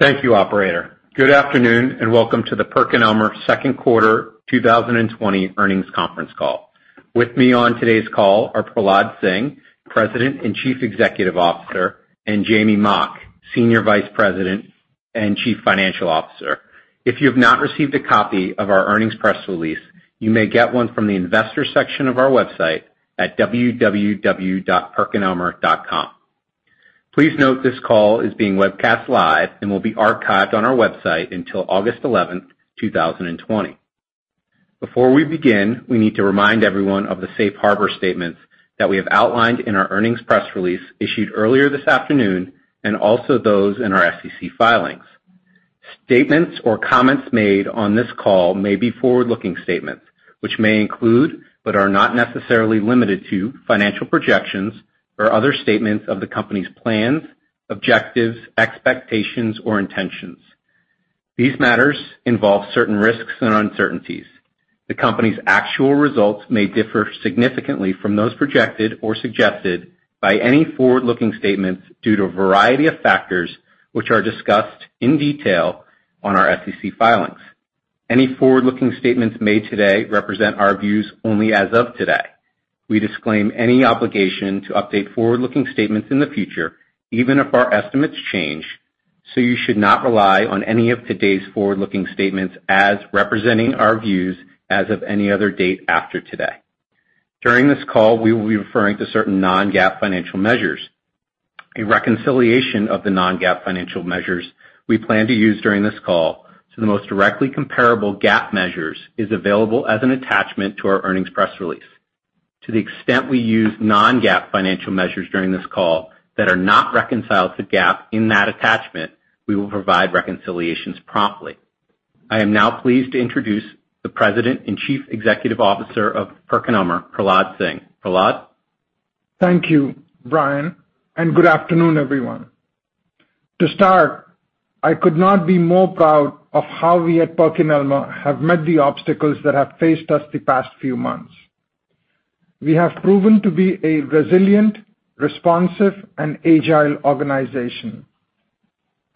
Thank you operator. Good afternoon, welcome to the PerkinElmer Second Quarter 2020 Earnings Conference Call. With me on today's call are Prahlad Singh, President and Chief Executive Officer, and Jamie Mock, Senior Vice President and Chief Financial Officer. If you have not received a copy of our earnings press release, you may get one from the investors section of our website at www.perkinelmer.com. Please note this call is being webcast live and will be archived on our website until August 11, 2020. Before we begin, we need to remind everyone of the safe harbor statements that we have outlined in our earnings press release issued earlier this afternoon, and also those in our SEC filings. Statements or comments made on this call may be forward-looking statements, which may include, but are not necessarily limited to, financial projections or other statements of the company's plans, objectives, expectations, or intentions. These matters involve certain risks and uncertainties. The company's actual results may differ significantly from those projected or suggested by any forward-looking statements due to a variety of factors, which are discussed in detail on our SEC filings. Any forward-looking statements made today represent our views only as of today. We disclaim any obligation to update forward-looking statements in the future, even if our estimates change. You should not rely on any of today's forward-looking statements as representing our views as of any other date after today. During this call, we will be referring to certain non-GAAP financial measures. A reconciliation of the non-GAAP financial measures we plan to use during this call to the most directly comparable GAAP measures is available as an attachment to our earnings press release. To the extent we use non-GAAP financial measures during this call that are not reconciled to GAAP in that attachment, we will provide reconciliations promptly. I am now pleased to introduce the President and Chief Executive Officer of PerkinElmer, Prahlad Singh. Prahlad? Thank you, Brian. Good afternoon, everyone. To start, I could not be more proud of how we at PerkinElmer have met the obstacles that have faced us the past few months. We have proven to be a resilient, responsive, and agile organization.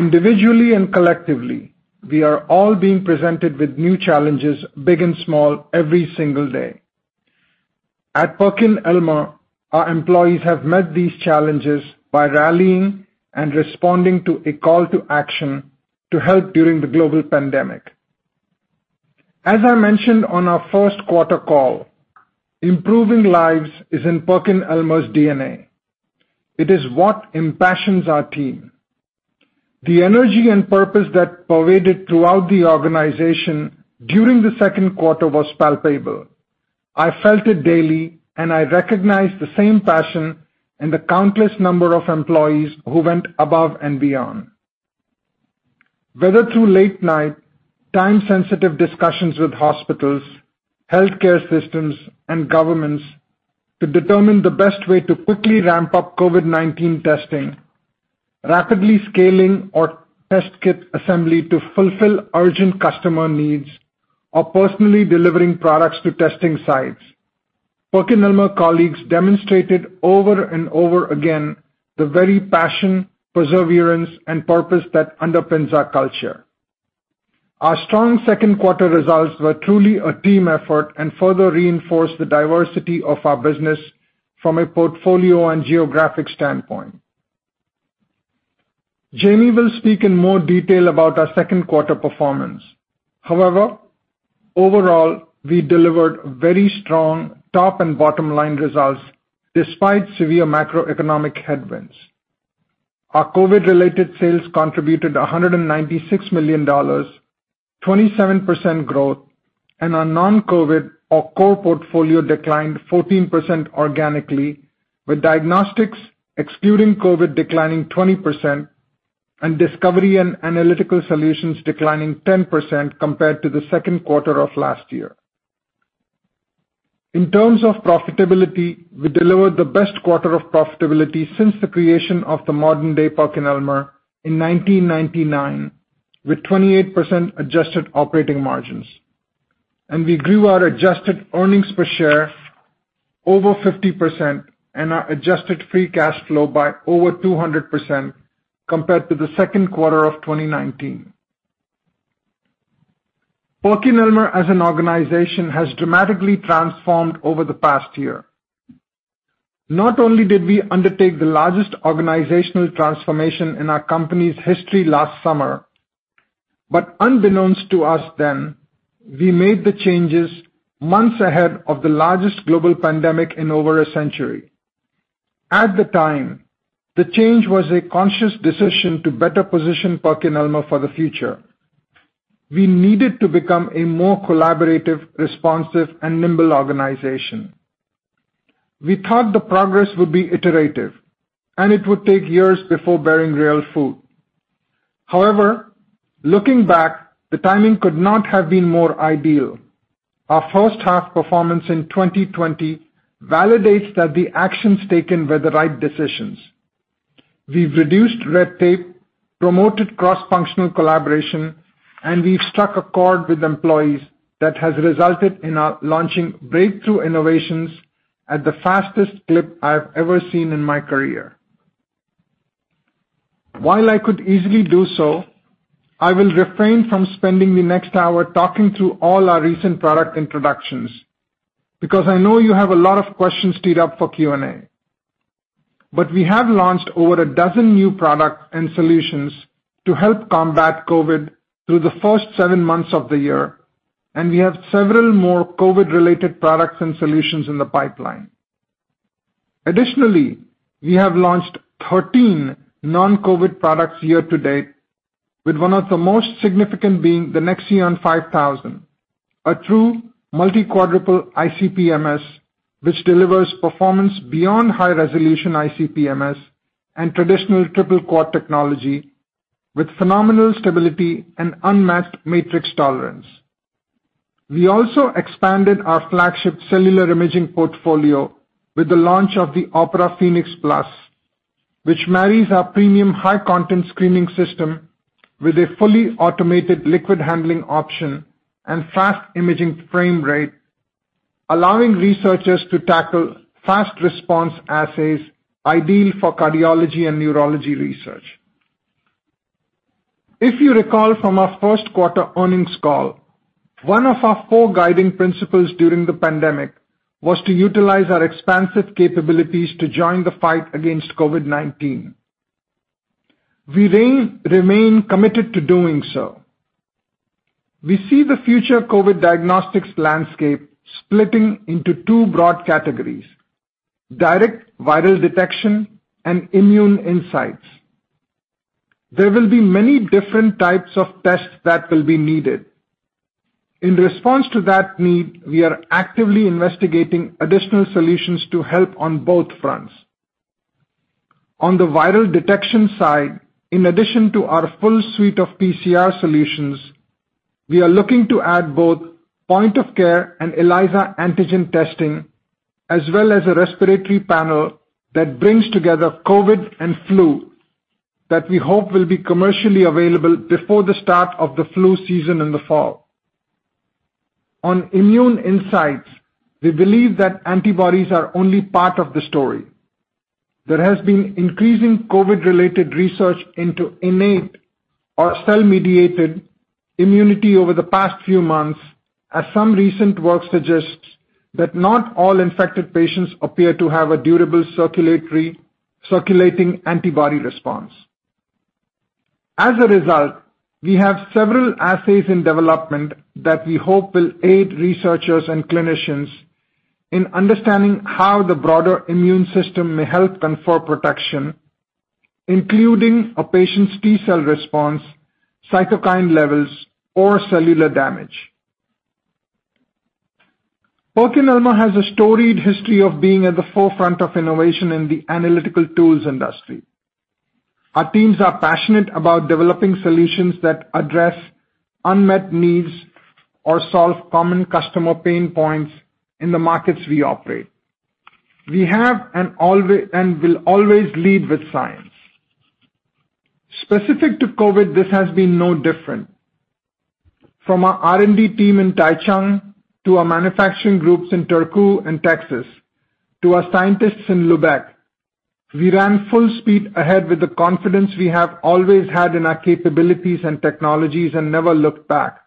Individually and collectively, we are all being presented with new challenges, big and small, every single day. At PerkinElmer, our employees have met these challenges by rallying and responding to a call to action to help during the global pandemic. As I mentioned on our first quarter call, improving lives is in PerkinElmer's DNA. It is what impassions our team. The energy and purpose that pervaded throughout the organization during the second quarter was palpable. I felt it daily, and I recognized the same passion in the countless number of employees who went above and beyond. Whether through late night, time-sensitive discussions with hospitals, healthcare systems, and governments to determine the best way to quickly ramp up COVID-19 testing, rapidly scaling our test kit assembly to fulfill urgent customer needs, or personally delivering products to testing sites, PerkinElmer colleagues demonstrated over and over again the very passion, perseverance, and purpose that underpins our culture. Our strong second quarter results were truly a team effort and further reinforce the diversity of our business from a portfolio and geographic standpoint. Jamie will speak in more detail about our second quarter performance. However, overall, we delivered very strong top and bottom-line results despite severe macroeconomic headwinds. Our COVID-related sales contributed $196 million, 27% growth, and our non-COVID, or core portfolio, declined 14% organically, with diagnostics excluding COVID declining 20%, and Discovery & Analytical Solutions declining 10% compared to the second quarter of last year. In terms of profitability, we delivered the best quarter of profitability since the creation of the modern-day PerkinElmer in 1999, with 28% adjusted operating margins. We grew our adjusted earnings per share over 50%, and our adjusted free cash flow by over 200% compared to the second quarter of 2019. PerkinElmer as an organization has dramatically transformed over the past year. Not only did we undertake the largest organizational transformation in our company's history last summer, but unbeknownst to us then, we made the changes months ahead of the largest global pandemic in over a century. At the time, the change was a conscious decision to better position PerkinElmer for the future. We needed to become a more collaborative, responsive, and nimble organization. We thought the progress would be iterative, and it would take years before bearing real fruit. However, looking back, the timing could not have been more ideal. Our first half performance in 2020 validates that the actions taken were the right decisions. We've reduced red tape, promoted cross-functional collaboration, and we've struck a chord with employees that has resulted in our launching breakthrough innovations at the fastest clip I have ever seen in my career. While I could easily do so, I will refrain from spending the next hour talking through all our recent product introductions, because I know you have a lot of questions teed up for Q and A. We have launched over a dozen new products and solutions to help combat COVID through the first seven months of the year, and we have several more COVID-related products and solutions in the pipeline. Additionally, we have launched 13 non-COVID products year to date, with one of the most significant being the NexION 5000, a true multi-quadrupole ICP-MS, which delivers performance beyond high-resolution ICP-MS and traditional triple quad technology with phenomenal stability and unmatched matrix tolerance. We also expanded our flagship cellular imaging portfolio with the launch of the Opera Phenix Plus, which marries our premium high-content screening system with a fully automated liquid handling option and fast imaging frame rate, allowing researchers to tackle fast-response assays ideal for cardiology and neurology research. If you recall from our first quarter earnings call, one of our four guiding principles during the pandemic was to utilize our expansive capabilities to join the fight against COVID-19. We remain committed to doing so. We see the future COVID diagnostics landscape splitting into two broad categories: direct viral detection and immune insights. There will be many different types of tests that will be needed. In response to that need, we are actively investigating additional solutions to help on both fronts. On the viral detection side, in addition to our full suite of PCR solutions, we are looking to add both point of care and ELISA antigen testing, as well as a respiratory panel that brings together COVID and flu, that we hope will be commercially available before the start of the flu season in the fall. On immune insights, we believe that antibodies are only part of the story. There has been increasing COVID-related research into innate or cell-mediated immunity over the past few months, as some recent work suggests that not all infected patients appear to have a durable circulating antibody response. As a result, we have several assays in development that we hope will aid researchers and clinicians in understanding how the broader immune system may help confer protection, including a patient's T-cell response, cytokine levels, or cellular damage. PerkinElmer has a storied history of being at the forefront of innovation in the analytical tools industry. Our teams are passionate about developing solutions that address unmet needs or solve common customer pain points in the markets we operate. We have and will always lead with science. Specific to COVID, this has been no different. From our R&D team in Taichung to our manufacturing groups in Turku and Texas, to our scientists in Lübeck, we ran full speed ahead with the confidence we have always had in our capabilities and technologies and never looked back.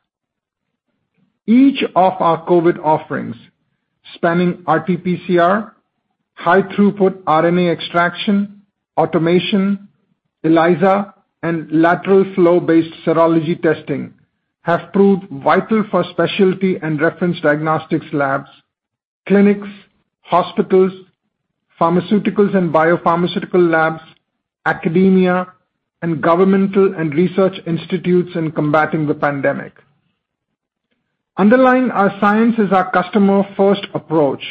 Each of our COVID offerings, spanning RT-PCR, high throughput RNA extraction, automation, ELISA, and lateral flow-based serology testing, have proved vital for specialty and reference diagnostics labs, clinics, hospitals, pharmaceuticals and biopharmaceutical labs, academia, and governmental and research institutes in combating the pandemic. Underlying our science is our customer-first approach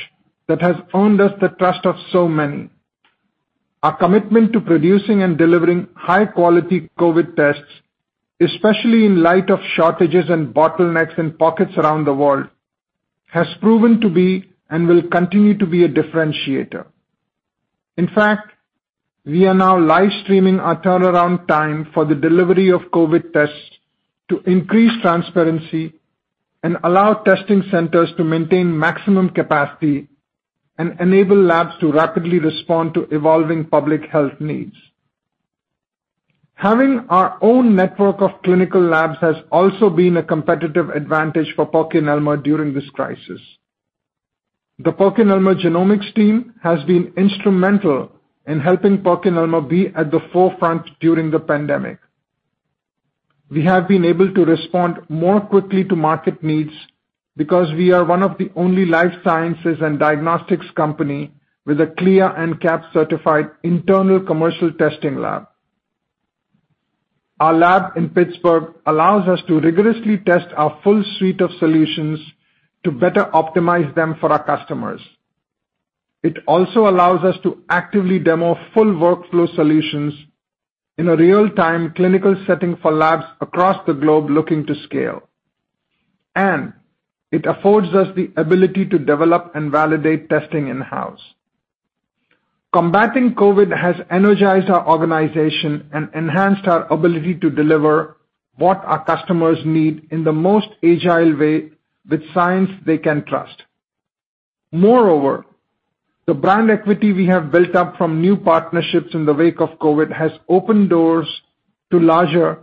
that has earned us the trust of so many. Our commitment to producing and delivering high-quality COVID tests, especially in light of shortages and bottlenecks in pockets around the world, has proven to be, and will continue to be a differentiator. In fact, we are now live streaming our turnaround time for the delivery of COVID tests to increase transparency and allow testing centers to maintain maximum capacity and enable labs to rapidly respond to evolving public health needs. Having our own network of clinical labs has also been a competitive advantage for PerkinElmer during this crisis. The PerkinElmer Genomics team has been instrumental in helping PerkinElmer be at the forefront during the pandemic. We have been able to respond more quickly to market needs because we are one of the only life sciences and diagnostics company with a CLIA and CAP-certified internal commercial testing lab. Our lab in Pittsburgh allows us to rigorously test our full suite of solutions to better optimize them for our customers. It also allows us to actively demo full workflow solutions in a real-time clinical setting for labs across the globe looking to scale. It affords us the ability to develop and validate testing in-house. Combating COVID has energized our organization and enhanced our ability to deliver what our customers need in the most agile way with science they can trust. Moreover, the brand equity we have built up from new partnerships in the wake of COVID has opened doors to larger,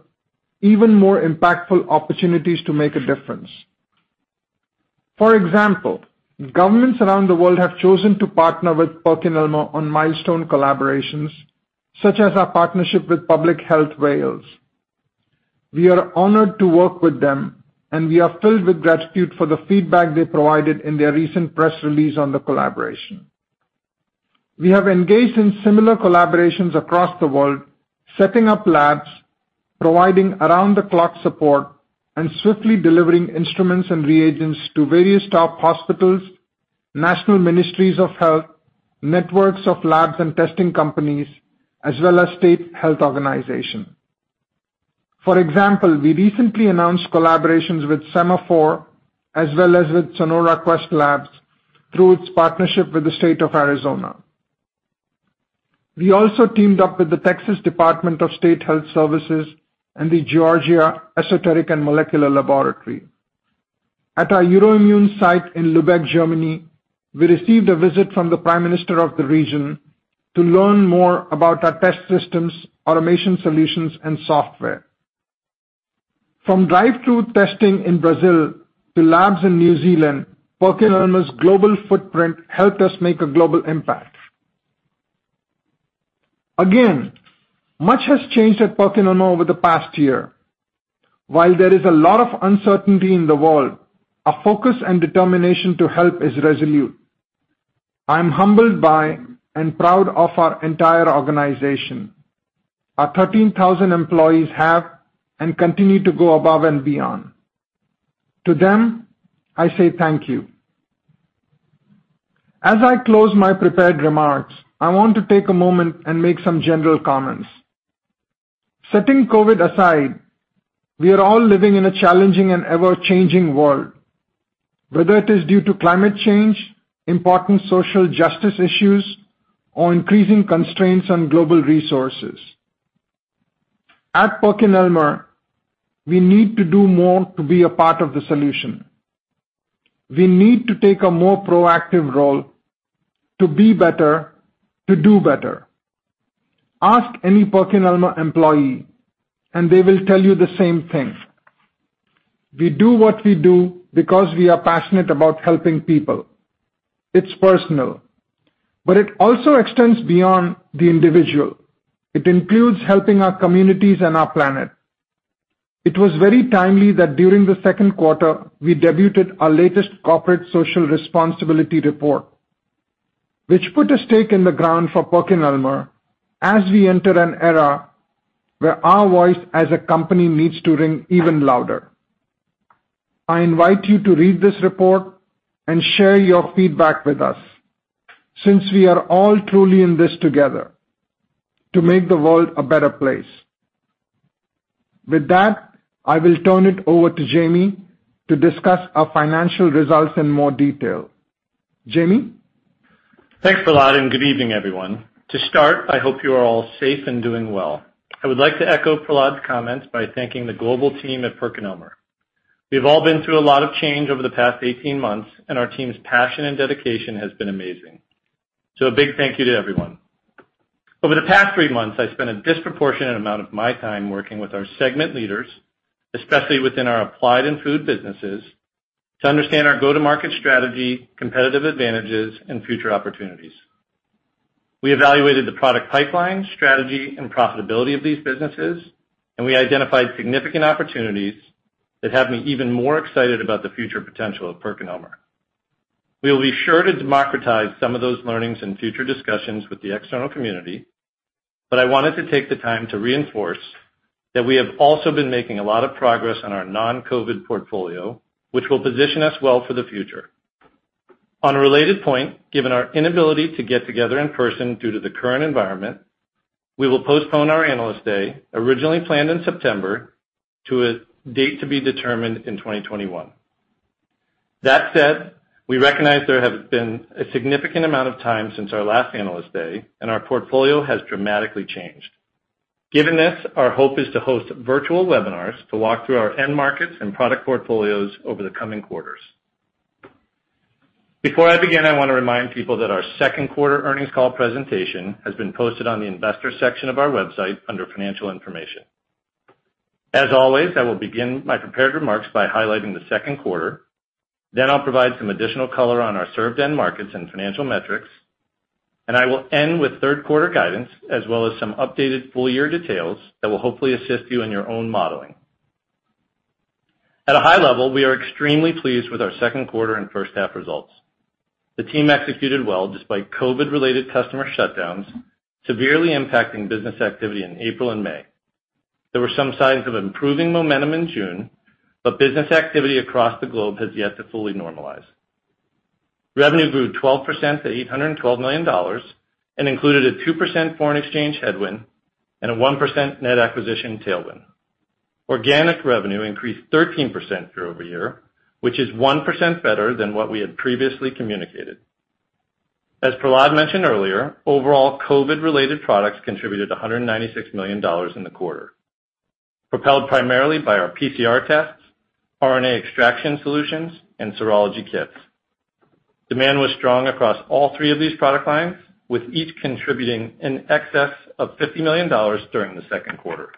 even more impactful opportunities to make a difference. For example, governments around the world have chosen to partner with PerkinElmer on milestone collaborations, such as our partnership with Public Health Wales. We are honored to work with them. We are filled with gratitude for the feedback they provided in their recent press release on the collaboration. We have engaged in similar collaborations across the world, setting up labs, providing around-the-clock support, and swiftly delivering instruments and reagents to various top hospitals, national ministries of health, networks of labs and testing companies, as well as state health organizations. For example, we recently announced collaborations with Sema4, as well as with Sonora Quest Laboratories through its partnership with the State of Arizona. We also teamed up with the Texas Department of State Health Services and the Georgia Esoteric and Molecular Laboratory. At our EUROIMMUN site in Lübeck, Germany, we received a visit from the Prime Minister of the region to learn more about our test systems, automation solutions, and software. From drive-through testing in Brazil to labs in New Zealand, PerkinElmer's global footprint helped us make a global impact. Again, much has changed at PerkinElmer over the past year. While there is a lot of uncertainty in the world, our focus and determination to help is resolute. I am humbled by and proud of our entire organization. Our 13,000 employees have and continue to go above and beyond. To them, I say thank you. As I close my prepared remarks, I want to take a moment and make some general comments. Setting COVID aside, we are all living in a challenging and ever-changing world, whether it is due to climate change, important social justice issues, or increasing constraints on global resources. At PerkinElmer, we need to do more to be a part of the solution. We need to take a more proactive role to be better, to do better. Ask any PerkinElmer employee, and they will tell you the same thing. We do what we do because we are passionate about helping people. It's personal. It also extends beyond the individual. It includes helping our communities and our planet. It was very timely that during the second quarter, we debuted our latest corporate social responsibility report, which put a stake in the ground for PerkinElmer as we enter an era where our voice as a company needs to ring even louder. I invite you to read this report and share your feedback with us since we are all truly in this together to make the world a better place. With that, I will turn it over to Jamie to discuss our financial results in more detail. Jamie? Thanks, Prahlad, and good evening, everyone. To start, I hope you are all safe and doing well. I would like to echo Prahlad's comments by thanking the global team at PerkinElmer. We've all been through a lot of change over the past 18 months, and our team's passion and dedication has been amazing. A big thank you to everyone. Over the past three months, I spent a disproportionate amount of my time working with our segment leaders, especially within our applied and food businesses, to understand our go-to-market strategy, competitive advantages, and future opportunities. We evaluated the product pipeline, strategy, and profitability of these businesses, and we identified significant opportunities that have me even more excited about the future potential of PerkinElmer. We'll be sure to democratize some of those learnings in future discussions with the external community, but I wanted to take the time to reinforce that we have also been making a lot of progress on our non-COVID portfolio, which will position us well for the future. On a related point, given our inability to get together in person due to the current environment, we will postpone our Analyst Day, originally planned in September, to a date to be determined in 2021. That said, we recognize there has been a significant amount of time since our last Analyst Day, and our portfolio has dramatically changed. Given this, our hope is to host virtual webinars to walk through our end markets and product portfolios over the coming quarters. Before I begin, I want to remind people that our second quarter earnings call presentation has been posted on the investor section of our website under financial information. As always, I will begin my prepared remarks by highlighting the second quarter. I'll provide some additional color on our served end markets and financial metrics. I will end with third quarter guidance, as well as some updated full year details that will hopefully assist you in your own modeling. At a high level, we are extremely pleased with our second quarter and first half results. The team executed well despite COVID-related customer shutdowns severely impacting business activity in April and May. There were some signs of improving momentum in June, but business activity across the globe has yet to fully normalize. Revenue grew 12% to $812 million and included a 2% foreign exchange headwind and a 1% net acquisition tailwind. Organic revenue increased 13% year-over-year, which is 1% better than what we had previously communicated. As Prahlad mentioned earlier, overall COVID-related products contributed $196 million in the quarter, propelled primarily by our PCR tests, RNA extraction solutions, and serology kits. Demand was strong across all three of these product lines, with each contributing in excess of $50 million during the second quarter.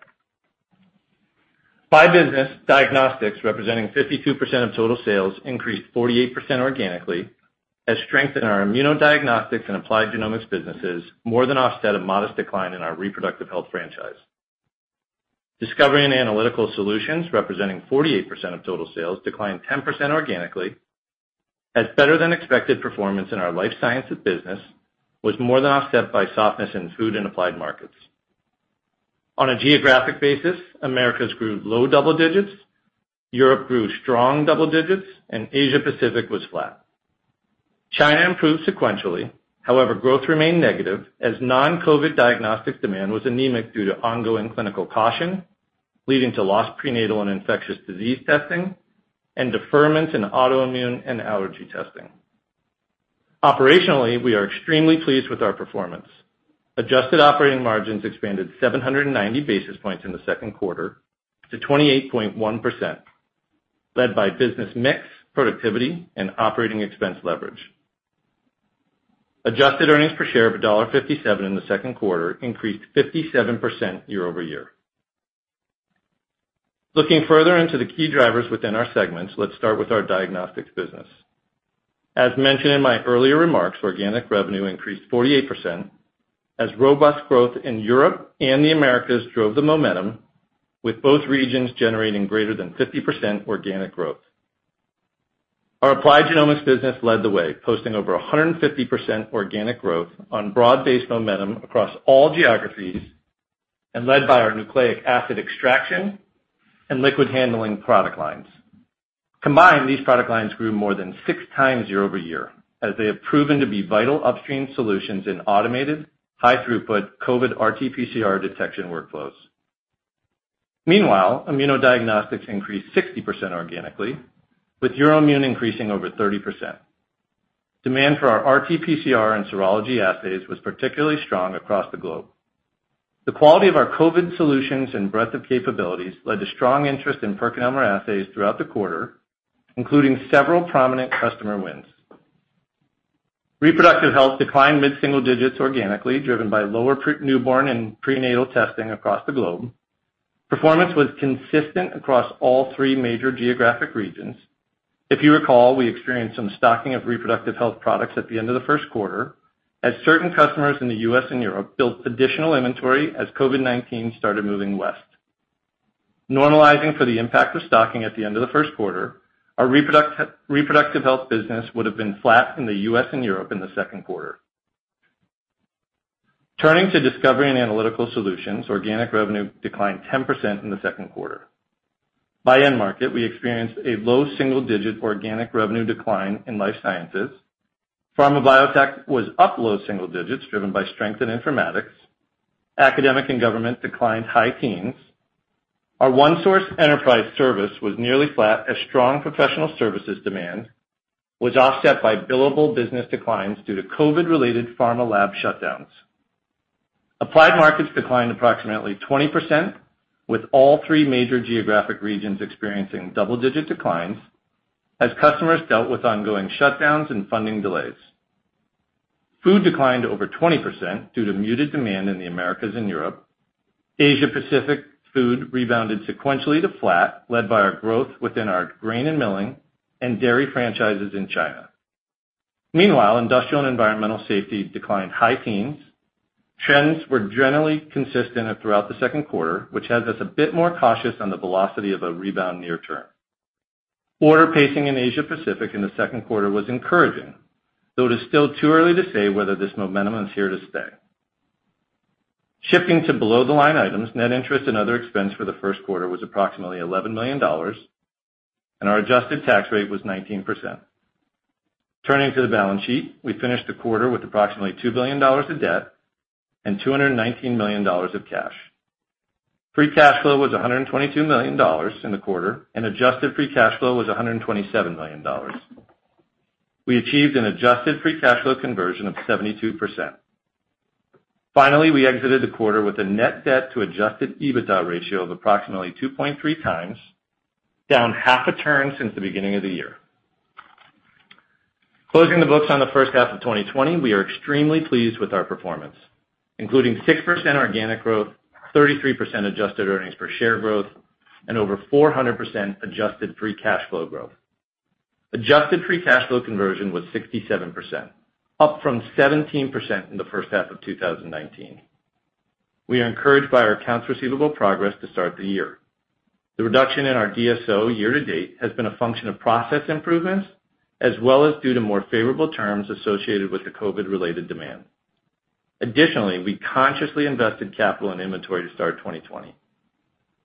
By business, diagnostics, representing 52% of total sales, increased 48% organically as strength in our immunodiagnostics and applied genomics businesses more than offset a modest decline in our reproductive health franchise. Discovery and Analytical Solutions, representing 48% of total sales, declined 10% organically, as better-than-expected performance in our life sciences business was more than offset by softness in food and applied markets. On a geographic basis, Americas grew low double digits, Europe grew strong double digits, and Asia Pacific was flat. China improved sequentially. However, growth remained negative as non-COVID diagnostic demand was anemic due to ongoing clinical caution, leading to lost prenatal and infectious disease testing and deferments in autoimmune and allergy testing. Operationally, we are extremely pleased with our performance. Adjusted operating margins expanded 790 basis points in the second quarter to 28.1%, led by business mix, productivity, and operating expense leverage. Adjusted earnings per share of $1.57 in the second quarter increased 57% year-over-year. Looking further into the key drivers within our segments, let's start with our diagnostics business. As mentioned in my earlier remarks, organic revenue increased 48%, as robust growth in Europe and the Americas drove the momentum, with both regions generating greater than 50% organic growth. Our applied genomics business led the way, posting over 150% organic growth on broad-based momentum across all geographies and led by our nucleic acid extraction and liquid handling product lines. Combined, these product lines grew more than six times year-over-year, as they have proven to be vital upstream solutions in automated, high-throughput COVID RT-PCR detection workflows. Meanwhile, immunodiagnostics increased 60% organically, with EUROIMMUN increasing over 30%. Demand for our RT-PCR and serology assays was particularly strong across the globe. The quality of our COVID solutions and breadth of capabilities led to strong interest in PerkinElmer assays throughout the quarter, including several prominent customer wins. Reproductive health declined mid-single digits organically, driven by lower newborn and prenatal testing across the globe. Performance was consistent across all three major geographic regions. If you recall, we experienced some stocking of reproductive health products at the end of the first quarter as certain customers in the U.S. and Europe built additional inventory as COVID-19 started moving west. Normalizing for the impact of stocking at the end of the first quarter, our reproductive health business would've been flat in the U.S. and Europe in the second quarter. Turning to Discovery and Analytical Solutions, organic revenue declined 10% in the second quarter. By end market, we experienced a low single-digit organic revenue decline in life sciences. Pharma biotech was up low single digits, driven by strength in informatics. Academic and government declined high teens. Our OneSource enterprise service was nearly flat as strong professional services demand was offset by billable business declines due to COVID-related pharma lab shutdowns. Applied markets declined approximately 20%, with all three major geographic regions experiencing double-digit declines as customers dealt with ongoing shutdowns and funding delays. Food declined over 20% due to muted demand in the Americas and Europe. Asia Pacific food rebounded sequentially to flat, led by our growth within our grain and milling and dairy franchises in China. Meanwhile, industrial and environmental safety declined high teens. Trends were generally consistent throughout the second quarter, which has us a bit more cautious on the velocity of a rebound near-term. Order pacing in Asia Pacific in the second quarter was encouraging, though it is still too early to say whether this momentum is here to stay. Shifting to below-the-line items, net interest and other expense for the first quarter was approximately $11 million, and our adjusted tax rate was 19%. Turning to the balance sheet, we finished the quarter with approximately $2 billion of debt and $219 million of cash. Free cash flow was $122 million in the quarter, and adjusted free cash flow was $127 million. We achieved an adjusted free cash flow conversion of 72%. Finally, we exited the quarter with a net debt to Adjusted EBITDA ratio of approximately 2.3 times, down half a turn since the beginning of the year. Closing the books on the first half of 2020, we are extremely pleased with our performance, including 6% organic growth, 33% adjusted earnings per share growth, and over 400% adjusted free cash flow growth. Adjusted free cash flow conversion was 67%, up from 17% in the first half of 2019. We are encouraged by our accounts receivable progress to start the year. The reduction in our DSO year to date has been a function of process improvements, as well as due to more favorable terms associated with the COVID-related demand. Additionally, we consciously invested capital and inventory to start 2020.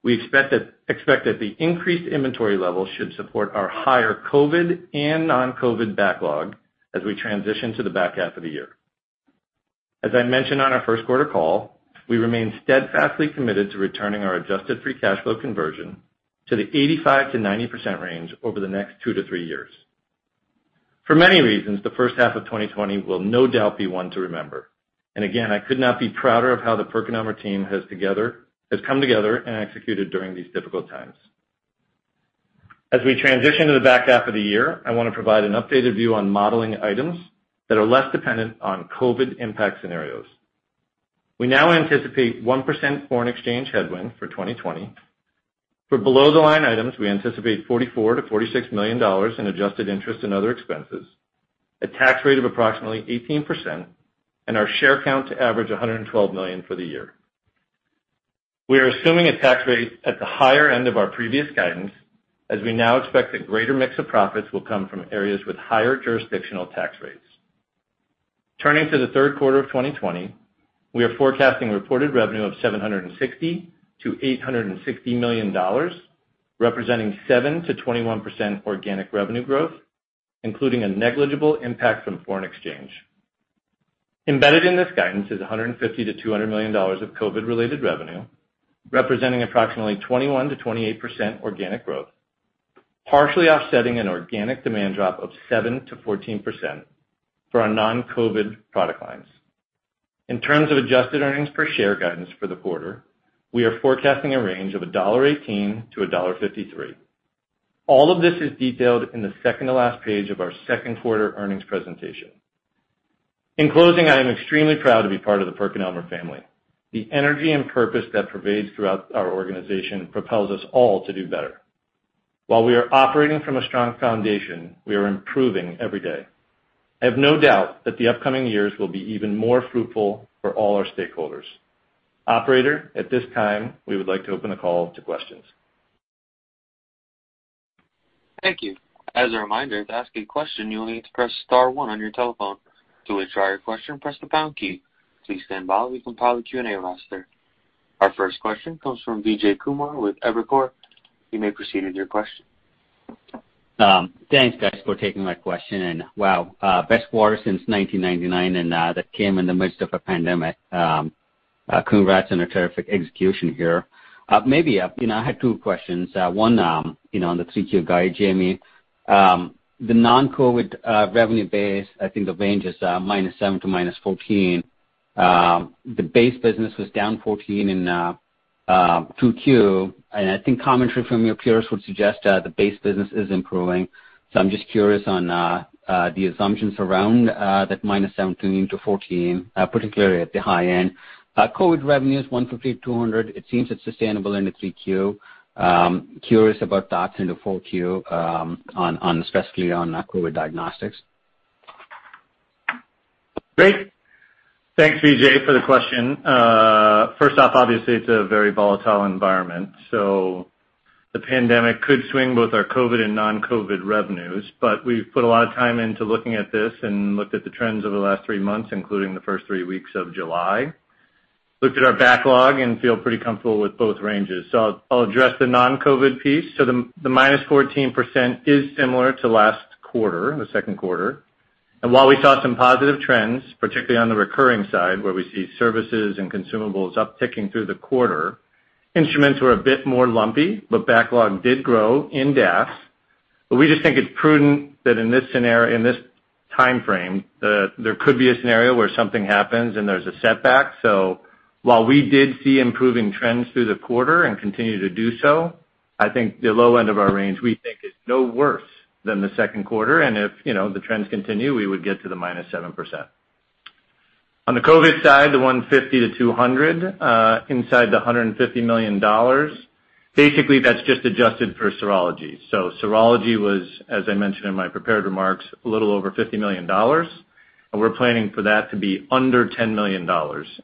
We expect that the increased inventory level should support our higher COVID and non-COVID backlog as we transition to the back half of the year. As I mentioned on our first quarter call, we remain steadfastly committed to returning our adjusted free cash flow conversion to the 85%-90% range over the next 2-3 years. For many reasons, the first half of 2020 will no doubt be one to remember. Again, I could not be prouder of how the PerkinElmer team has come together and executed during these difficult times. As we transition to the back half of the year, I want to provide an updated view on modeling items that are less dependent on COVID impact scenarios. We now anticipate 1% foreign exchange headwind for 2020. For below-the-line items, we anticipate $44 million to $46 million in adjusted interest and other expenses, a tax rate of approximately 18%, and our share count to average 112 million for the year. We are assuming a tax rate at the higher end of our previous guidance, as we now expect a greater mix of profits will come from areas with higher jurisdictional tax rates. Turning to the third quarter of 2020, we are forecasting reported revenue of $760 million to $860 million, representing 7% to 21% organic revenue growth, including a negligible impact from foreign exchange. Embedded in this guidance is $150 million to $200 million of COVID-related revenue, representing approximately 21% to 28% organic growth, partially offsetting an organic demand drop of 7% to 14% for our non-COVID product lines. In terms of adjusted earnings per share guidance for the quarter, we are forecasting a range of $1.18 to $1.53. All of this is detailed in the second to last page of our second quarter earnings presentation. In closing, I am extremely proud to be part of the PerkinElmer family. The energy and purpose that pervades throughout our organization propels us all to do better. While we are operating from a strong foundation, we are improving every day. I have no doubt that the upcoming years will be even more fruitful for all our stakeholders. Operator, at this time, we would like to open the call to questions. Thank you. As a reminder, to ask a question, you will need to press star one on your telephone. To withdraw your question, press the pound key. Please stand by while we compile a Q and A roster. Our first question comes from Vijay Kumar with Evercore. You may proceed with your question. Thanks, guys, for taking my question. Wow, best quarter since 1999, and that came in the midst of a pandemic. Congrats on a terrific execution here. I had two questions. One, on the Q3 guide, Jamie. The non-COVID revenue base, I think the range is -7% to -14%. The base business was down 14% in Q2, and I think commentary from your peers would suggest the base business is improving. I'm just curious on the assumptions around that -7% to -14%, particularly at the high end. COVID revenue is $150 million-$200 million. It seems it's sustainable into Q3. Curious about that in the Q4 especially on COVID diagnostics. Great. Thanks, Vijay, for the question. First off, obviously, it's a very volatile environment, the pandemic could swing both our COVID and non-COVID revenues. We've put a lot of time into looking at this and looked at the trends over the last three months, including the first three weeks of July. Looked at our backlog and feel pretty comfortable with both ranges. I'll address the non-COVID piece. The -14% is similar to last quarter, the second quarter. While we saw some positive trends, particularly on the recurring side, where we see services and consumables upticking through the quarter, instruments were a bit more lumpy, but backlog did grow in depth. We just think it's prudent that in this time frame, there could be a scenario where something happens and there's a setback. While we did see improving trends through the quarter and continue to do so, I think the low end of our range, we think, is no worse than the second quarter. If the trends continue, we would get to the minus 7%. On the COVID side, the $150-$200, inside the $150 million. Basically, that's just adjusted for serology. Serology was, as I mentioned in my prepared remarks, a little over $50 million, and we're planning for that to be under $10 million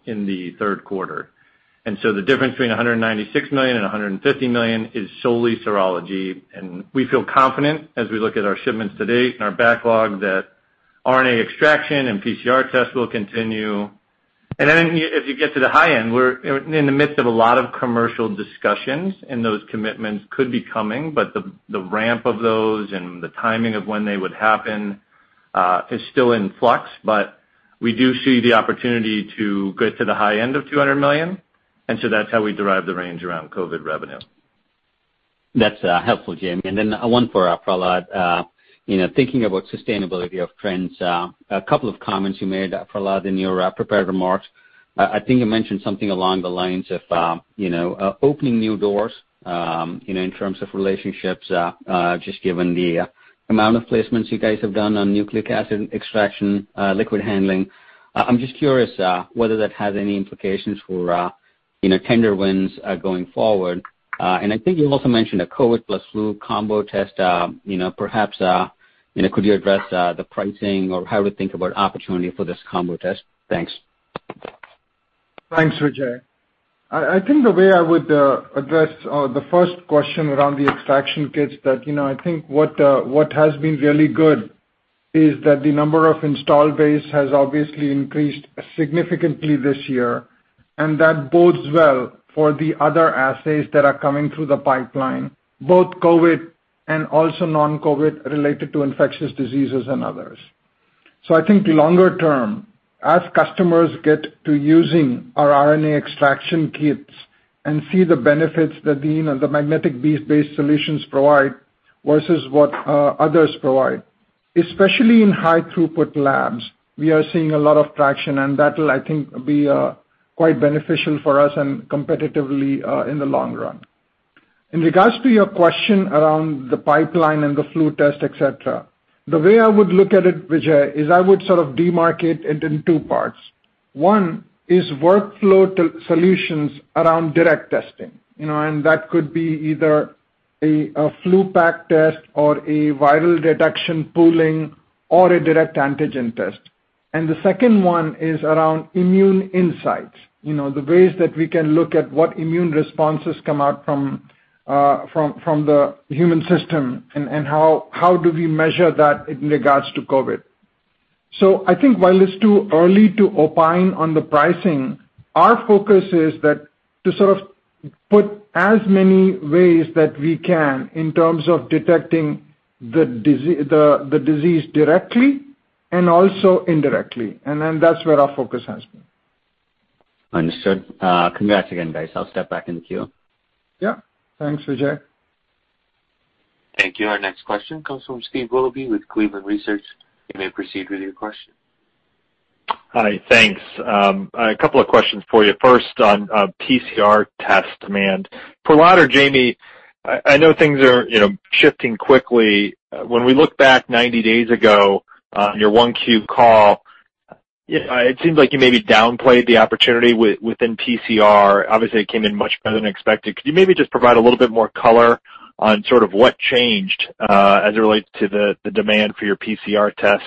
in the third quarter. The difference between $196 million and $150 million is solely serology. We feel confident as we look at our shipments to date and our backlog that RNA extraction and PCR tests will continue. If you get to the high end, we're in the midst of a lot of commercial discussions, and those commitments could be coming, but the ramp of those and the timing of when they would happen is still in flux. We do see the opportunity to get to the high end of $200 million, that's how we derive the range around COVID revenue. That's helpful, Jamie. Then one for Prahlad. Thinking about sustainability of trends, a couple of comments you made, Prahlad, in your prepared remarks. I think you mentioned something along the lines of opening new doors in terms of relationships, just given the amount of placements you guys have done on nucleic acid extraction, liquid handling. I'm just curious whether that has any implications for tender wins going forward. I think you also mentioned a COVID plus flu combo test. Perhaps, could you address the pricing or how we think about opportunity for this combo test? Thanks. Thanks, Vijay. I think the way I would address the first question around the extraction kits that I think what has been really good is that the number of install base has obviously increased significantly this year, and that bodes well for the other assays that are coming through the pipeline, both COVID and also non-COVID, related to infectious diseases and others. I think longer term, as customers get to using our RNA extraction kits and see the benefits that the magnetic bead-based solutions provide versus what others provide, especially in high throughput labs, we are seeing a lot of traction, and that will, I think, be quite beneficial for us and competitively in the long run. In regards to your question around the pipeline and the flu test, et cetera, the way I would look at it, Vijay, is I would sort of demark it into two parts. One is workflow solutions around direct testing. That could be either a flu PCR test or a viral detection pooling or a direct antigen test. The second one is around immune insights, the ways that we can look at what immune responses come out from the human system and how do we measure that in regards to COVID. I think while it's too early to opine on the pricing, our focus is that to sort of put as many ways that we can in terms of detecting the disease directly and also indirectly, that's where our focus has been. Understood. Congrats again, guys. I'll step back in the queue. Yeah. Thanks, Vijay. Thank you. Our next question comes from Steve Willoughby with Cleveland Research. You may proceed with your question. Hi. Thanks. A couple of questions for you. First on PCR test demand. Prahlad or Jamie, I know things are shifting quickly. When we look back 90 days ago on your Q1 call, it seems like you maybe downplayed the opportunity within PCR. Obviously, it came in much better than expected. Could you maybe just provide a little bit more color on sort of what changed as it relates to the demand for your PCR test?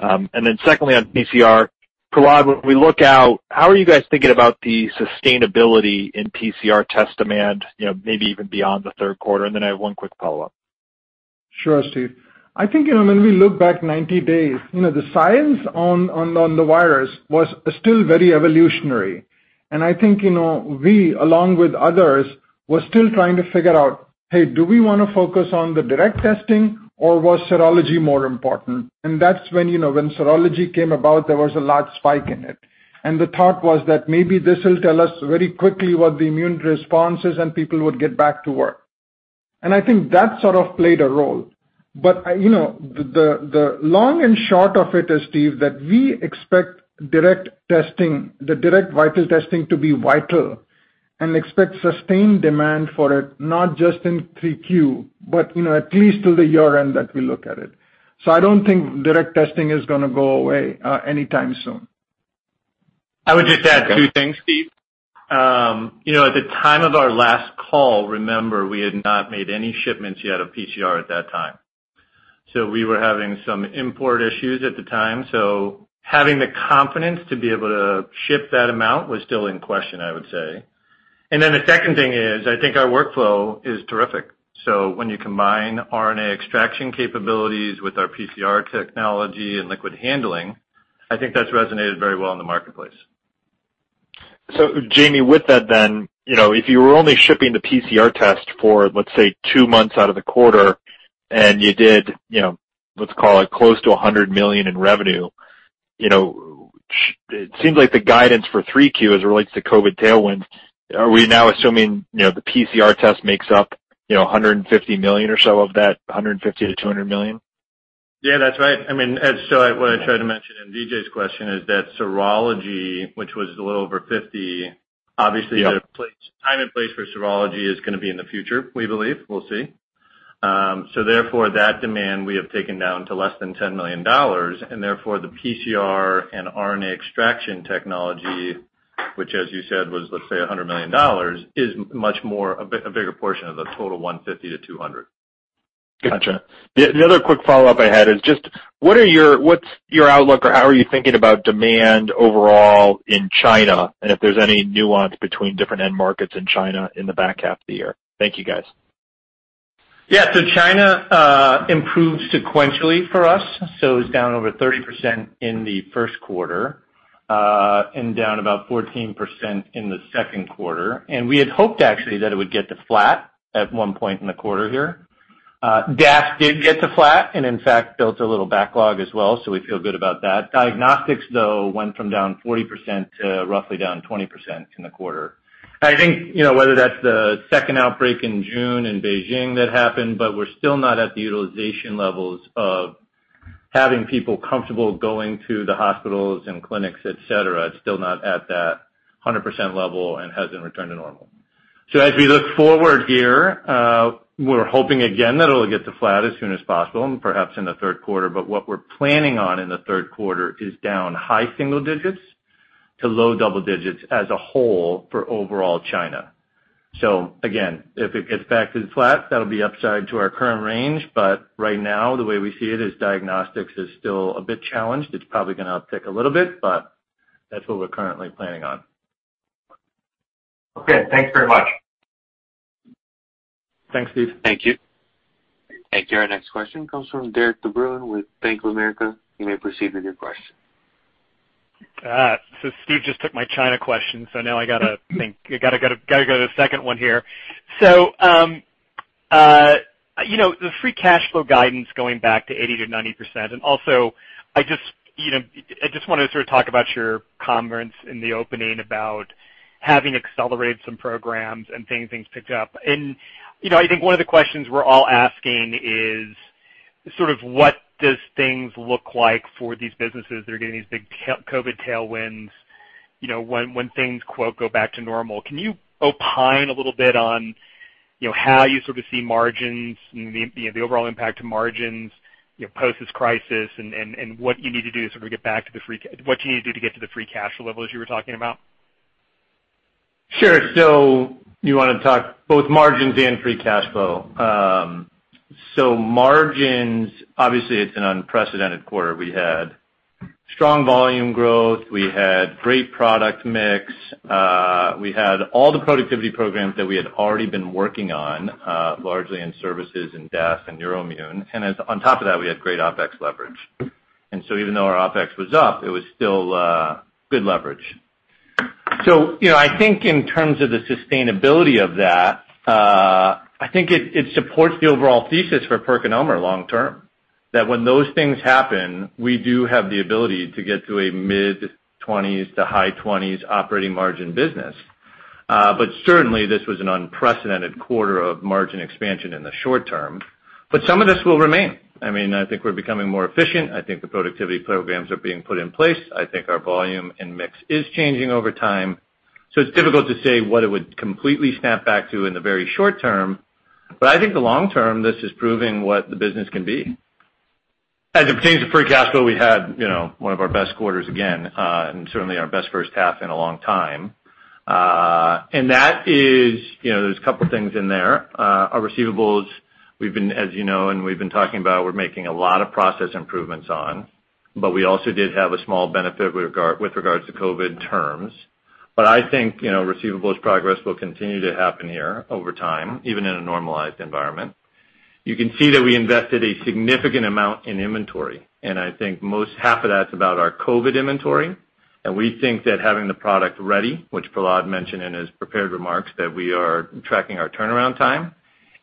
Secondly, on PCR, Prahlad, when we look out, how are you guys thinking about the sustainability in PCR test demand, maybe even beyond the third quarter? I have one quick follow-up. Sure, Steve. I think, when we look back 90 days, the science on the virus was still very evolutionary. I think, we, along with others, were still trying to figure out, "Hey, do we want to focus on the direct testing or was serology more important?" That's when serology came about, there was a large spike in it. The thought was that maybe this will tell us very quickly what the immune response is, and people would get back to work. I think that sort of played a role. The long and short of it is, Steve, that we expect the direct viral testing to be vital and expect sustained demand for it, not just in Q3, but at least till the year-end that we look at it. I don't think direct testing is going to go away anytime soon. I would just add two things, Steve. At the time of our last call, remember, we had not made any shipments yet of PCR at that time. We were having some import issues at the time, so having the confidence to be able to ship that amount was still in question, I would say. The second thing is, I think our workflow is terrific. When you combine RNA extraction capabilities with our PCR technology and liquid handling, I think that's resonated very well in the marketplace. Jamie, with that, if you were only shipping the PCR test for, let's say, two months out of the quarter, and you did, let's call it, close to $100 million in revenue, it seems like the guidance for Q3 as it relates to COVID tailwinds, are we now assuming the PCR test makes up $150 million or so of that $150 million-$200 million? Yeah, that's right. What I tried to mention in Vijay's question is that serology, which was a little over 50, obviously. Yep The time and place for serology is going to be in the future, we believe. We'll see. Therefore, that demand we have taken down to less than $10 million. Therefore, the PCR and RNA extraction technology, which as you said was, let's say, $100 million, is much more, a bigger portion of the total $150-$200. Got you. The other quick follow-up I had is just, what's your outlook or how are you thinking about demand overall in China, and if there's any nuance between different end markets in China in the back half of the year? Thank you, guys. Yeah. China improved sequentially for us. It was down over 30% in the first quarter and down about 14% in the second quarter. We had hoped actually that it would get to flat at one point in the quarter here. DAS did get to flat and in fact built a little backlog as well, so we feel good about that. Diagnostics, though, went from down 40% to roughly down 20% in the quarter. I think, whether that's the second outbreak in June in Beijing that happened, but we're still not at the utilization levels of having people comfortable going to the hospitals and clinics, et cetera. It's still not at that 100% level and hasn't returned to normal. As we look forward here, we're hoping again that it'll get to flat as soon as possible and perhaps in the third quarter. What we're planning on in the third quarter is down high single digits to low double digits as a whole for overall China. Again, if it gets back to flat, that'll be upside to our current range. Right now, the way we see it is diagnostics is still a bit challenged. It's probably going to uptick a little bit, but that's what we're currently planning on. Okay. Thanks very much. Thanks, Steve. Thank you. Thank you. Our next question comes from Derik de Bruin with Bank of America. You may proceed with your question. Steve just took my China question, now I got to think. Got to go to the second one here. The free cash flow guidance going back to 80%-90%, and also I just wanted to sort of talk about your conference in the opening about having accelerated some programs and seeing things picked up. I think one of the questions we're all asking is sort of what does things look like for these businesses that are getting these big COVID tailwinds when things "go back to normal"? Can you opine a little bit on how you sort of see margins and the overall impact to margins post this crisis and what you need to do to sort of get to the free cash flow levels you were talking about? You want to talk both margins and free cash flow. Margins, obviously it's an unprecedented quarter. We had strong volume growth. We had great product mix. We had all the productivity programs that we had already been working on, largely in services and DAS and immunodiagnostics. On top of that, we had great OpEx leverage. Even though our OpEx was up, it was still good leverage. I think in terms of the sustainability of that, I think it supports the overall thesis for PerkinElmer long term, that when those things happen, we do have the ability to get to a mid-20s to high-20s operating margin business. Certainly, this was an unprecedented quarter of margin expansion in the short term. Some of this will remain. I think we're becoming more efficient. I think the productivity programs are being put in place. I think our volume and mix is changing over time. It's difficult to say what it would completely snap back to in the very short term. I think the long term, this is proving what the business can be. As it pertains to free cash flow, we had one of our best quarters again, and certainly our best first half in a long time. That is, there's a couple things in there. Our receivables, as you know, and we've been talking about we're making a lot of process improvements on, but we also did have a small benefit with regards to COVID terms. I think receivables progress will continue to happen here over time, even in a normalized environment. You can see that we invested a significant amount in inventory, and I think most half of that's about our COVID inventory. We think that having the product ready, which Prahlad mentioned in his prepared remarks, that we are tracking our turnaround time,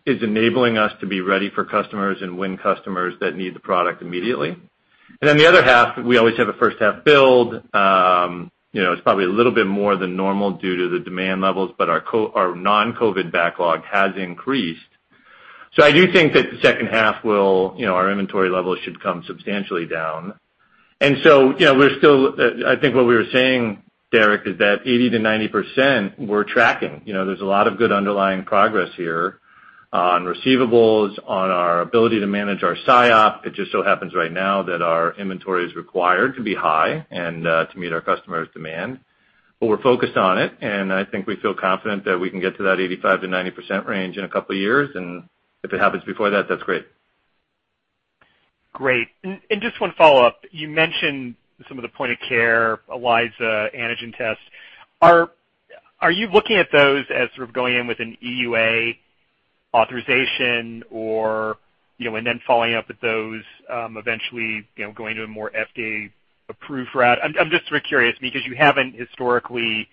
is enabling us to be ready for customers and win customers that need the product immediately. The other half, we always have a first half build. It's probably a little bit more than normal due to the demand levels, but our non-COVID backlog has increased. I do think that the second half, our inventory levels should come substantially down. I think what we were saying, Derik, is that 80%-90% we're tracking. There's a lot of good underlying progress here on receivables, on our ability to manage our SIOP. It just so happens right now that our inventory is required to be high and to meet our customers' demand. We're focused on it, and I think we feel confident that we can get to that 85%-90% range in a couple of years. If it happens before that's great. Great. Just one follow-up. You mentioned some of the point of care, ELISA antigen tests. Are you looking at those as sort of going in with an EUA authorization or then following up with those, eventually going to a more FDA approved route? I'm just curious because you haven't historically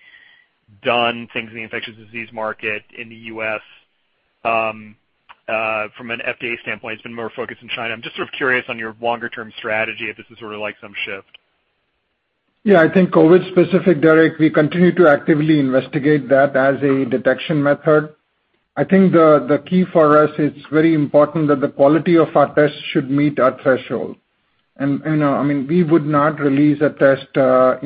done things in the infectious disease market in the U.S. from an FDA standpoint. It's been more focused in China. I'm just sort of curious on your longer term strategy if this is sort of like some shift. Yeah, I think COVID specific, Derik, we continue to actively investigate that as a detection method. I think the key for us, it's very important that the quality of our tests should meet our threshold. I mean, we would not release a test that are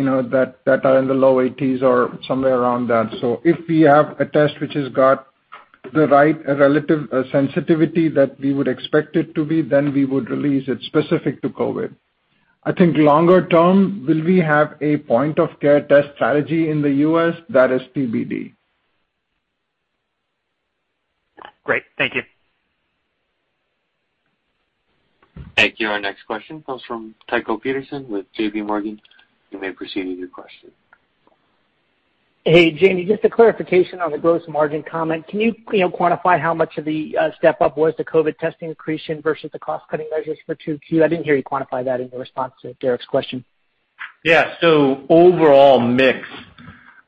in the low 80s or somewhere around that. If we have a test which has got the right relative sensitivity that we would expect it to be, then we would release it specific to COVID. I think longer term, will we have a point of care test strategy in the U.S.? That is TBD. Great. Thank you. Thank you. Our next question comes from Tycho Peterson with JPMorgan. You may proceed with your question. Hey, Jamie, just a clarification on the gross margin comment. Can you quantify how much of the step-up was the COVID testing accretion versus the cost-cutting measures for Q2? I didn't hear you quantify that in your response to Derik's question. Overall mix,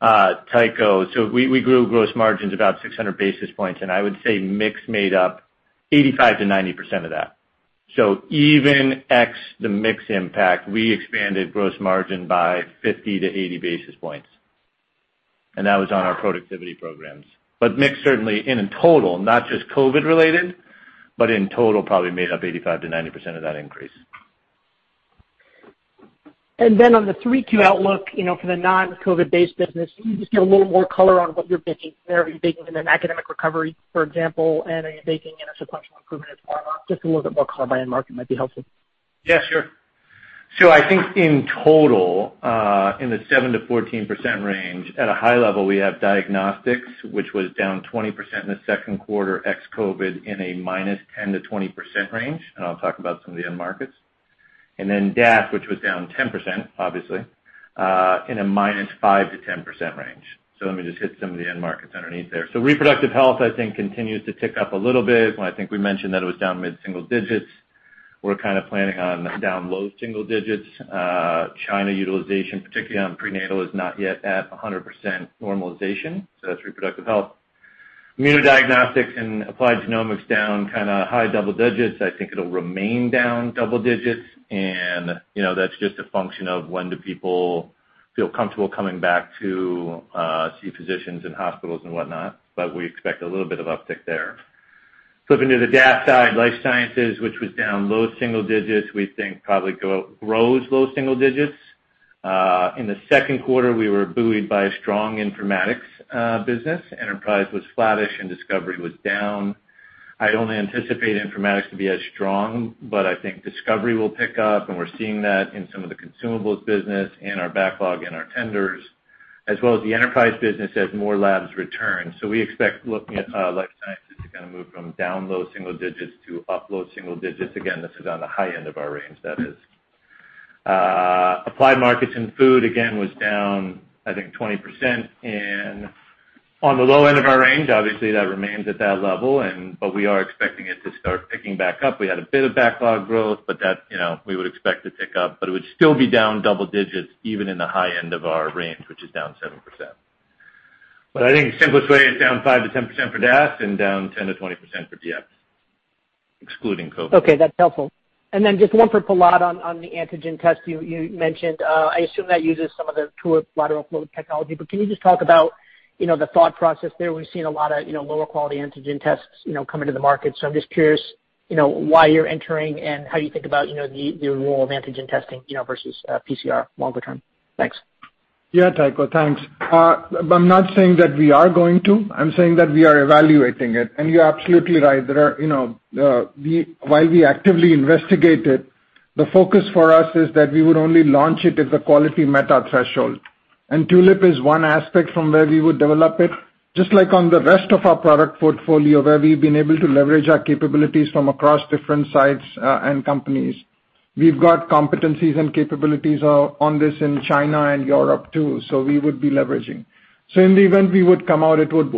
Tycho, we grew gross margins about 600 basis points, and I would say mix made up 85%-90% of that. Even X the mix impact, we expanded gross margin by 50 to 80 basis points, and that was on our productivity programs. Mix certainly in total, not just COVID related, but in total probably made up 85%-90% of that increase. On the Q3 outlook, for the non-COVID based business, can you just give a little more color on what you're baking there? Are you baking in an academic recovery, for example, and are you baking in a sequential improvement as well? Just a little bit more color by end market might be helpful. Yeah, sure. I think in total, in the 7%-14% range, at a high level, we have diagnostics, which was down 20% in the second quarter, ex-COVID, in a -10% to -20% range, I'll talk about some of the end markets. DAS, which was down 10%, obviously, in a -5% to -10% range. Let me just hit some of the end markets underneath there. Reproductive health, I think, continues to tick up a little bit. I think we mentioned that it was down mid-single digits. We're kind of planning on down low single digits. China utilization, particularly on prenatal, is not yet at 100% normalization, that's reproductive health. Immunodiagnostics and applied genomics down high double digits. I think it'll remain down double digits, and that's just a function of when do people feel comfortable coming back to see physicians in hospitals and whatnot. We expect a little bit of uptick there. Flipping to the DAS side, life sciences, which was down low single digits, we think probably grows low single digits. In the second quarter, we were buoyed by a strong informatics business. enterprise was flattish, and discovery was down. I only anticipate informatics to be as strong, but I think discovery will pick up, and we're seeing that in some of the consumables business, in our backlog, in our tenders, as well as the enterprise business as more labs return. We expect looking at life sciences to kind of move from down low single digits to up low single digits. Again, this is on the high end of our range, that is. Applied markets and food, again, was down, I think 20%, and on the low end of our range, obviously, that remains at that level. We are expecting it to start picking back up. We had a bit of backlog growth, but that we would expect to pick up, but it would still be down double digits even in the high end of our range, which is down 7%. I think the simplest way, it's down 5%-10% for DAS and down 10%-20% for DX, excluding COVID. Okay, that's helpful. Then just one for Prahlad on the antigen test you mentioned. I assume that uses some of the Tulip lateral flow technology. Can you just talk about the thought process there? We've seen a lot of lower quality antigen tests coming to the market. I'm just curious why you're entering and how you think about the role of antigen testing versus PCR longer term. Thanks. Yeah, Tycho, thanks. I'm not saying that we are going to. I'm saying that we are evaluating it. You're absolutely right. While we actively investigate it, the focus for us is that we would only launch it if the quality met our threshold. Tulip is one aspect from where we would develop it, just like on the rest of our product portfolio, where we've been able to leverage our capabilities from across different sites and companies. We've got competencies and capabilities on this in China and Europe, too. We would be leveraging. In the event we would come out, it would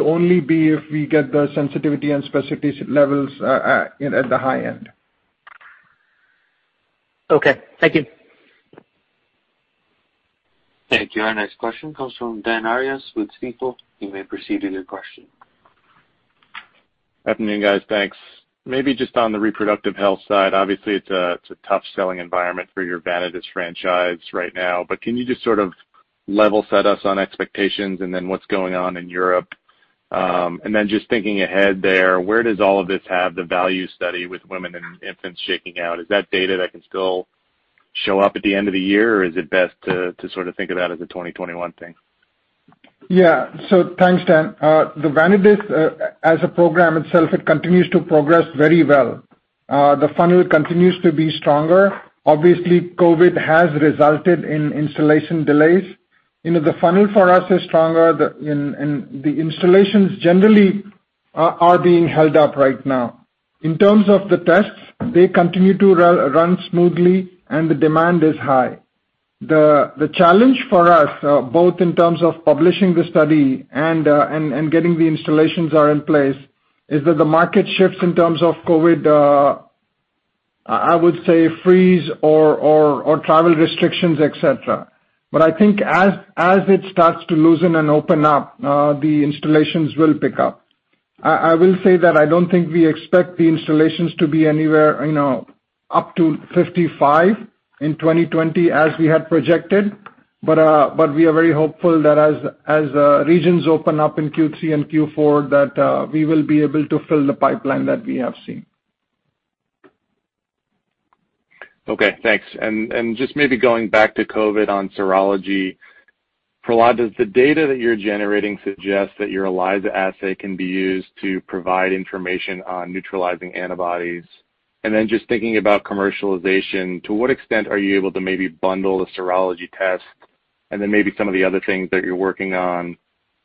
only be if we get the sensitivity and specificity levels at the high end. Okay. Thank you. Thank you. Our next question comes from Dan Arias with Stifel. You may proceed with your question. Afternoon, guys. Thanks. Maybe just on the reproductive health side, obviously it's a tough selling environment for your Vanadis franchise right now, can you just sort of level set us on expectations and then what's going on in Europe? Just thinking ahead there, where does all of this have the value study with Women & Infants shaking out? Is that data that can still show up at the end of the year, or is it best to sort of think of that as a 2021 thing? Yeah. Thanks, Dan. The Vanadis, as a program itself, it continues to progress very well. The funnel continues to be stronger. Obviously, COVID has resulted in installation delays. The funnel for us is stronger, and the installations generally are being held up right now. In terms of the tests, they continue to run smoothly, and the demand is high. The challenge for us, both in terms of publishing the study and getting the installations are in place, is that the market shifts in terms of COVID, I would say, freeze or travel restrictions, et cetera. I think as it starts to loosen and open up, the installations will pick up. I will say that I don't think we expect the installations to be anywhere up to 55 in 2020 as we had projected, but we are very hopeful that as regions open up in Q3 and Q4, that we will be able to fill the pipeline that we have seen. Okay, thanks. Just maybe going back to COVID on serology. Prahlad, does the data that you're generating suggest that your ELISA assay can be used to provide information on neutralizing antibodies? Then just thinking about commercialization, to what extent are you able to maybe bundle the serology test and then maybe some of the other things that you're working on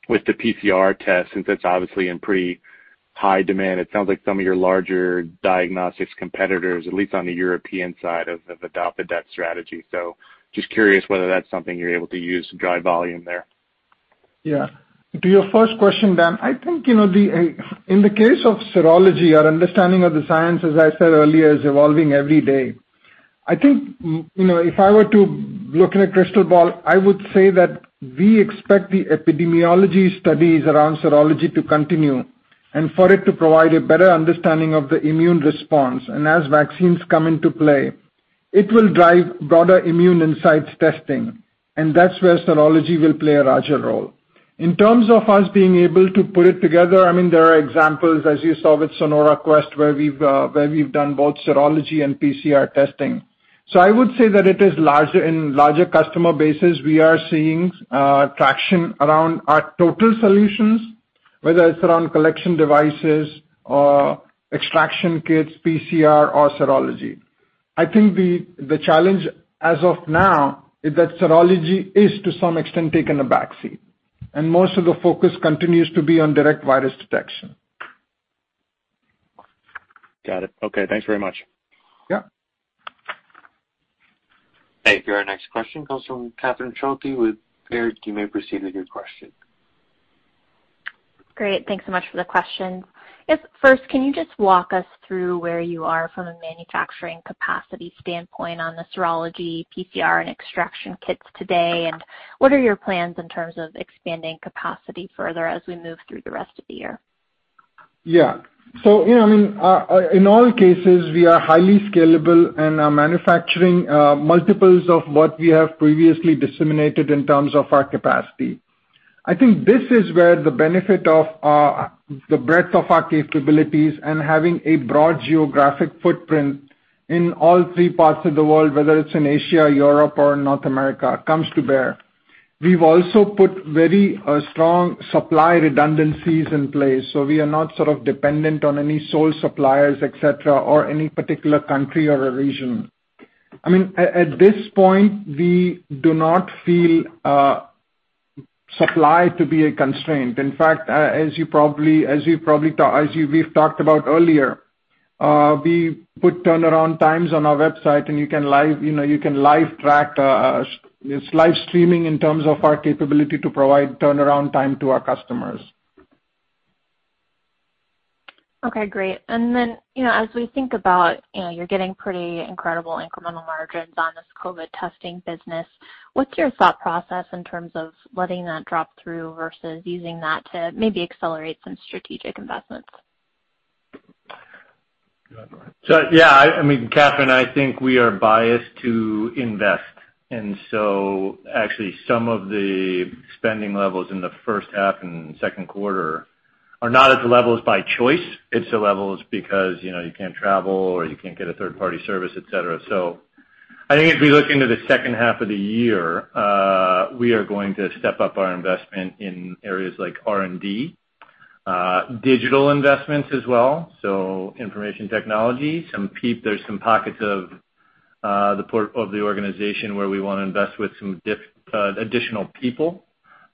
with the PCR test, since it's obviously in pretty high demand? It sounds like some of your larger diagnostics competitors, at least on the European side, have adopted that strategy. Just curious whether that's something you're able to use to drive volume there. Yeah. To your first question, Dan, I think in the case of serology, our understanding of the science, as I said earlier, is evolving every day. I think if I were to look in a crystal ball, I would say that we expect the epidemiology studies around serology to continue and for it to provide a better understanding of the immune response. As vaccines come into play, it will drive broader immune insights testing, and that's where serology will play a larger role. In terms of us being able to put it together, there are examples, as you saw with Sonora Quest, where we've done both serology and PCR testing. I would say that it is in larger customer bases we are seeing traction around our total solutions. Whether it's around collection devices or extraction kits, PCR or serology. I think the challenge as of now is that serology is to some extent taken a back seat, and most of the focus continues to be on direct virus detection. Got it. Okay, thanks very much. Yeah. Thank you. Our next question comes from Catherine Schulte with Baird. You may proceed with your question. Great. Thanks so much for the question. First, can you just walk us through where you are from a manufacturing capacity standpoint on the serology, PCR, and extraction kits today, and what are your plans in terms of expanding capacity further as we move through the rest of the year? In all cases, we are highly scalable and are manufacturing multiples of what we have previously disseminated in terms of our capacity. I think this is where the benefit of the breadth of our capabilities and having a broad geographic footprint in all three parts of the world, whether it's in Asia, Europe, or North America, comes to bear. We've also put very strong supply redundancies in place, so we are not sort of dependent on any sole suppliers, et cetera, or any particular country or a region. At this point, we do not feel supply to be a constraint. In fact, as we've talked about earlier, we put turnaround times on our website, and it's live streaming in terms of our capability to provide turnaround time to our customers. Okay, great. As we think about you're getting pretty incredible incremental margins on this COVID testing business, what's your thought process in terms of letting that drop through versus using that to maybe accelerate some strategic investments? Go ahead, Brian. Yeah, Catherine, I think we are biased to invest, actually, some of the spending levels in the first half and second quarter are not at the levels by choice. It's the levels because you can't travel or you can't get a third-party service, et cetera. I think if we look into the second half of the year, we are going to step up our investment in areas like R&D, digital investments as well, so information technology. There's some pockets of the organization where we want to invest with some additional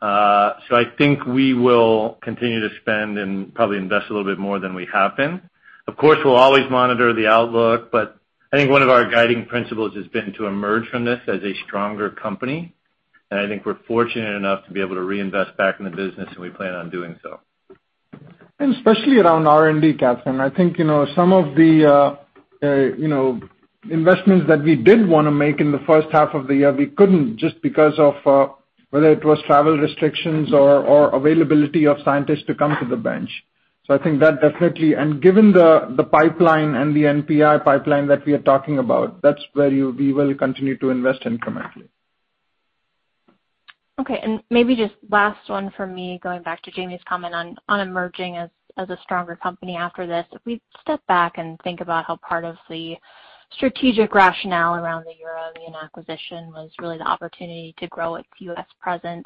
people. I think we will continue to spend and probably invest a little bit more than we have been. Of course, we'll always monitor the outlook, but I think one of our guiding principles has been to emerge from this as a stronger company, and I think we're fortunate enough to be able to reinvest back in the business, and we plan on doing so. Especially around R&D, Catherine. I think, some of the investments that we did want to make in the first half of the year, we couldn't just because of whether it was travel restrictions or availability of scientists to come to the bench. I think that definitely. Given the pipeline and the NPI pipeline that we are talking about, that's where we will continue to invest incrementally. Okay, maybe just last one from me, going back to Jamie's comment on emerging as a stronger company after this. If we step back and think about how part of the strategic rationale around the EUROIMMUN acquisition was really the opportunity to grow its U.S. presence,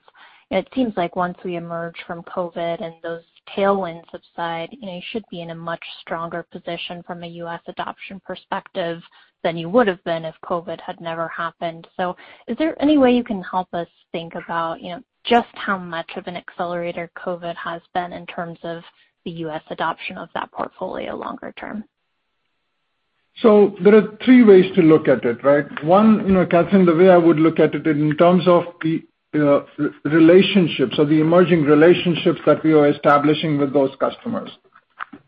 and it seems like once we emerge from COVID and those tailwinds subside, you should be in a much stronger position from a U.S. adoption perspective than you would have been if COVID had never happened. Is there any way you can help us think about just how much of an accelerator COVID has been in terms of the U.S. adoption of that portfolio longer term? There are three ways to look at it, right? One, Catherine, the way I would look at it in terms of the relationships or the emerging relationships that we are establishing with those customers.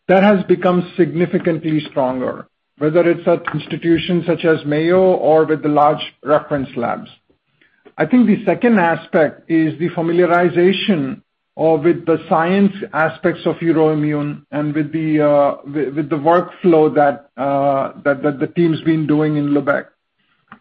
That has become significantly stronger, whether it's at institutions such as Mayo or with the large reference labs. I think the second aspect is the familiarization or with the science aspects of EUROIMMUN and with the workflow that the team's been doing in Lübeck.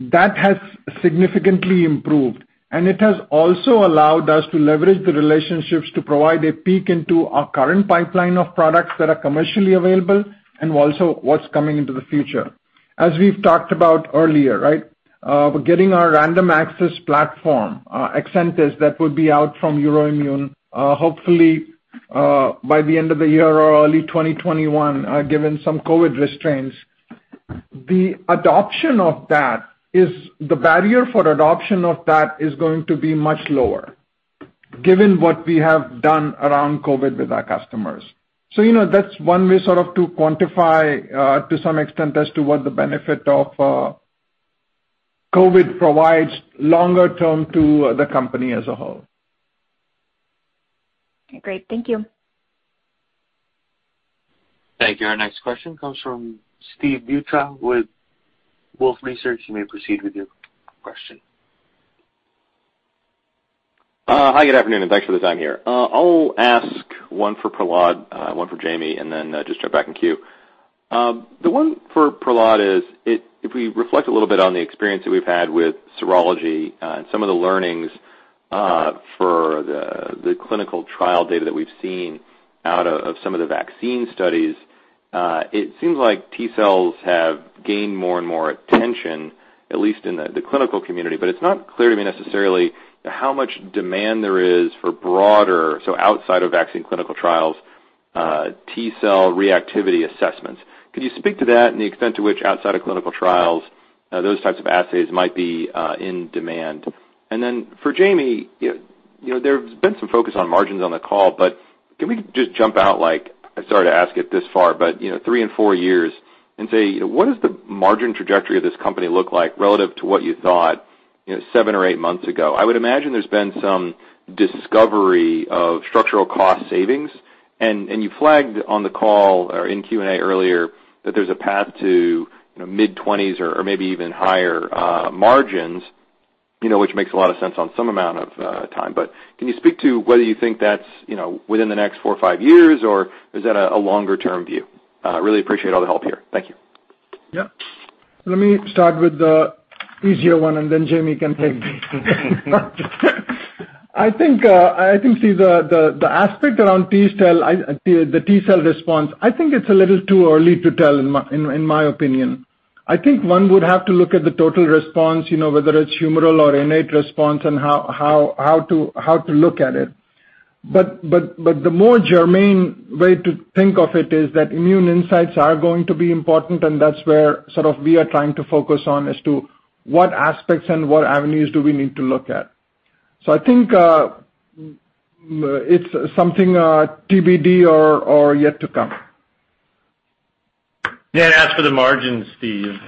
That has significantly improved, and it has also allowed us to leverage the relationships to provide a peek into our current pipeline of products that are commercially available and also what's coming into the future. As we've talked about earlier, right? We're getting our random access platform, Accentis, that would be out from EUROIMMUN, hopefully, by the end of the year or early 2021, given some COVID restraints. The barrier for adoption of that is going to be much lower given what we have done around COVID with our customers. That's one way sort of to quantify, to some extent, as to what the benefit of COVID provides longer term to the company as a whole. Great. Thank you. Thank you. Our next question comes from Steve Beuchaw with Wolfe Research. You may proceed with your question. Hi, good afternoon. Thanks for the time here. I'll ask one for Prahlad, one for Jamie, then just jump back in queue. The one for Prahlad is, if we reflect a little bit on the experience that we've had with serology and some of the learnings for the clinical trial data that we've seen out of some of the vaccine studies. It seems like T cells have gained more and more attention, at least in the clinical community, but it's not clear to me necessarily how much demand there is for broader, so outside of vaccine clinical trials, T cell reactivity assessments. Could you speak to that and the extent to which, outside of clinical trials, those types of assays might be in demand? For Jamie, there's been some focus on margins on the call, but can we just jump out, I started to ask it this far, but, three and four years, and say, what does the margin trajectory of this company look like relative to what you thought seven or eight months ago? I would imagine there's been some discovery of structural cost savings, and you flagged on the call or in Q and A earlier that there's a path to mid-20s or maybe even higher margins, which makes a lot of sense on some amount of time. Can you speak to whether you think that's within the next four or five years, or is that a longer-term view? Really appreciate all the help here. Thank you. Yeah. Let me start with the easier one, and then Jamie can take. I think, Steve, the aspect around the T cell response, I think it's a little too early to tell, in my opinion. I think one would have to look at the total response, whether it's humoral or innate response, and how to look at it. The more germane way to think of it is that immune insights are going to be important, and that's where we are trying to focus on as to what aspects and what avenues do we need to look at. I think it's something TBD or yet to come. Yeah. As for the margins, Steve,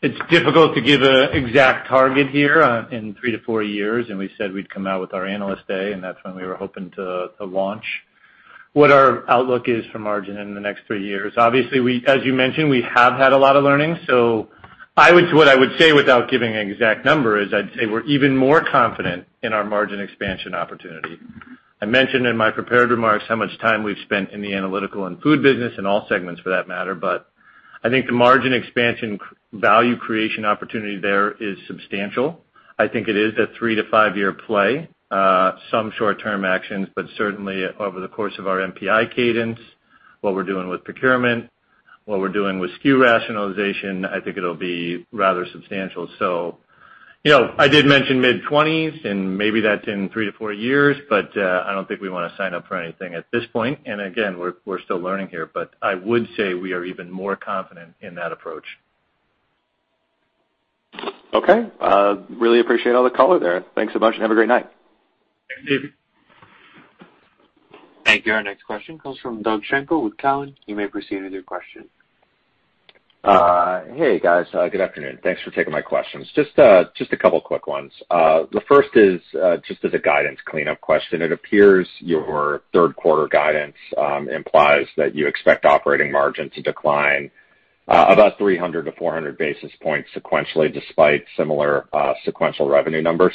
it's difficult to give an exact target here in three to four years, and we said we'd come out with our Analyst Day, and that's when we were hoping to launch what our outlook is for margin in the next three years. Obviously, as you mentioned, we have had a lot of learning. What I would say without giving an exact number is I'd say we're even more confident in our margin expansion opportunity. I mentioned in my prepared remarks how much time we've spent in the analytical and food business, and all segments for that matter, but I think the margin expansion value creation opportunity there is substantial. I think it is a three-to-five-year play. Some short-term actions, but certainly over the course of our NPI cadence, what we're doing with procurement, what we're doing with SKU rationalization, I think it'll be rather substantial. I did mention mid-20s, and maybe that's in three to four years, but I don't think we want to sign up for anything at this point. Again, we're still learning here. I would say we are even more confident in that approach. Okay. Really appreciate all the color there. Thanks a bunch. Have a great night. Thanks, Steve. Thank you. Our next question comes from Doug Schenkel with Cowen. You may proceed with your question. Hey, guys. Good afternoon. Thanks for taking my questions. Just a couple of quick ones. The first is just as a guidance cleanup question. It appears your third quarter guidance implies that you expect operating margin to decline about 300 basis points-400 basis points sequentially, despite similar sequential revenue numbers.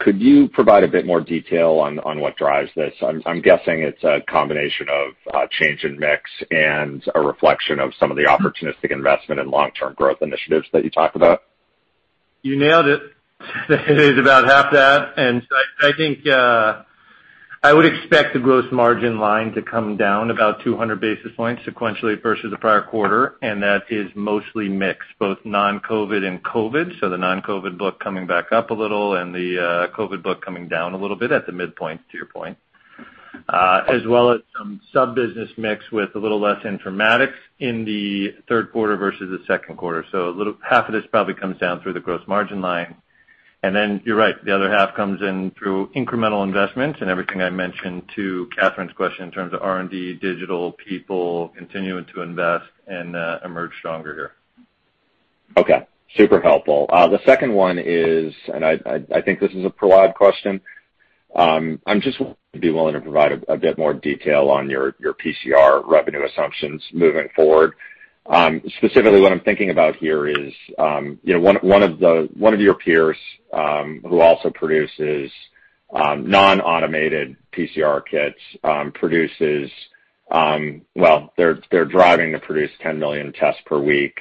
Could you provide a bit more detail on what drives this? I'm guessing it's a combination of change in mix and a reflection of some of the opportunistic investment and long-term growth initiatives that you talked about. You nailed it. It is about half that. I think I would expect the gross margin line to come down about 200 basis points sequentially versus the prior quarter, and that is mostly mix, both non-COVID and COVID. The non-COVID book coming back up a little and the COVID book coming down a little bit at the midpoint, to your point, as well as some sub-business mix with a little less informatics in the third quarter versus the second quarter. Half of this probably comes down through the gross margin line. Then you're right, the other half comes in through incremental investments and everything I mentioned to Catherine's question in terms of R&D, digital, people, continuing to invest and emerge stronger here. Okay. Super helpful. The second one is, and I think this is a Prahlad question. I'm just willing to provide a bit more detail on your PCR revenue assumptions moving forward. Specifically, what I'm thinking about here is one of your peers, who also produces non-automated PCR kits, Well, they're driving to produce 10 million tests per week.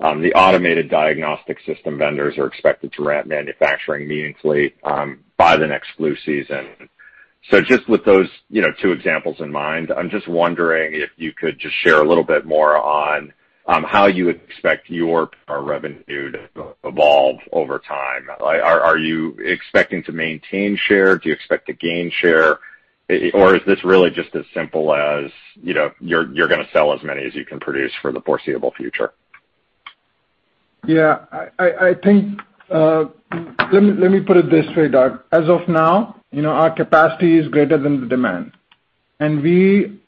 The automated diagnostic system vendors are expected to ramp manufacturing meaningfully by the next flu season. Just with those two examples in mind, I'm just wondering if you could just share a little bit more on how you would expect your PCR revenue to evolve over time. Are you expecting to maintain share? Do you expect to gain share? Is this really just as simple as you're going to sell as many as you can produce for the foreseeable future? Yeah. Let me put it this way, Doug. As of now, our capacity is greater than the demand. We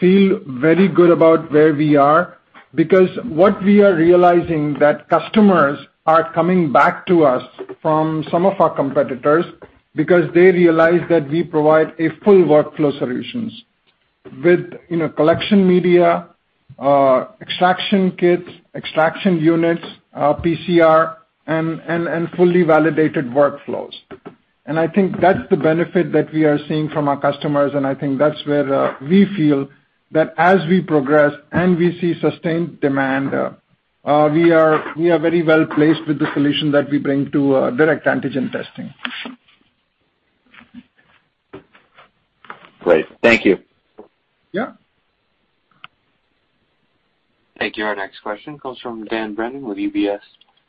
feel very good about where we are because what we are realizing that customers are coming back to us from some of our competitors because they realize that we provide a full workflow solutions with collection media, extraction kits, extraction units, PCR, and fully validated workflows. I think that's the benefit that we are seeing from our customers, and I think that's where we feel that as we progress and we see sustained demand, we are very well-placed with the solution that we bring to direct antigen testing. Great. Thank you. Yeah. Thank you. Our next question comes from Dan Brennan with UBS.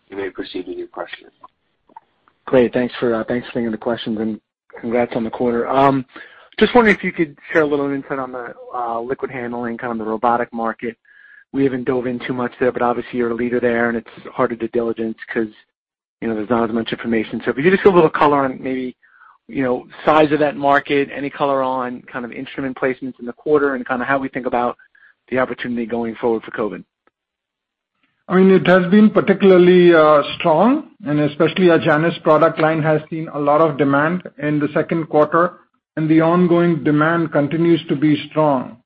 You may proceed with your question. Great. Thanks for taking the questions, and congrats on the quarter. Just wondering if you could share a little insight on the liquid handling, kind of the robotic market. We haven't dove in too much there, but obviously you're a leader there, and it's harder due diligence because there's not as much information. If you just give a little color on maybe size of that market, any color on instrument placements in the quarter, and how we think about the opportunity going forward for COVID. It has been particularly strong, especially our JANUS product line has seen a lot of demand in the second quarter. The ongoing demand continues to be strong.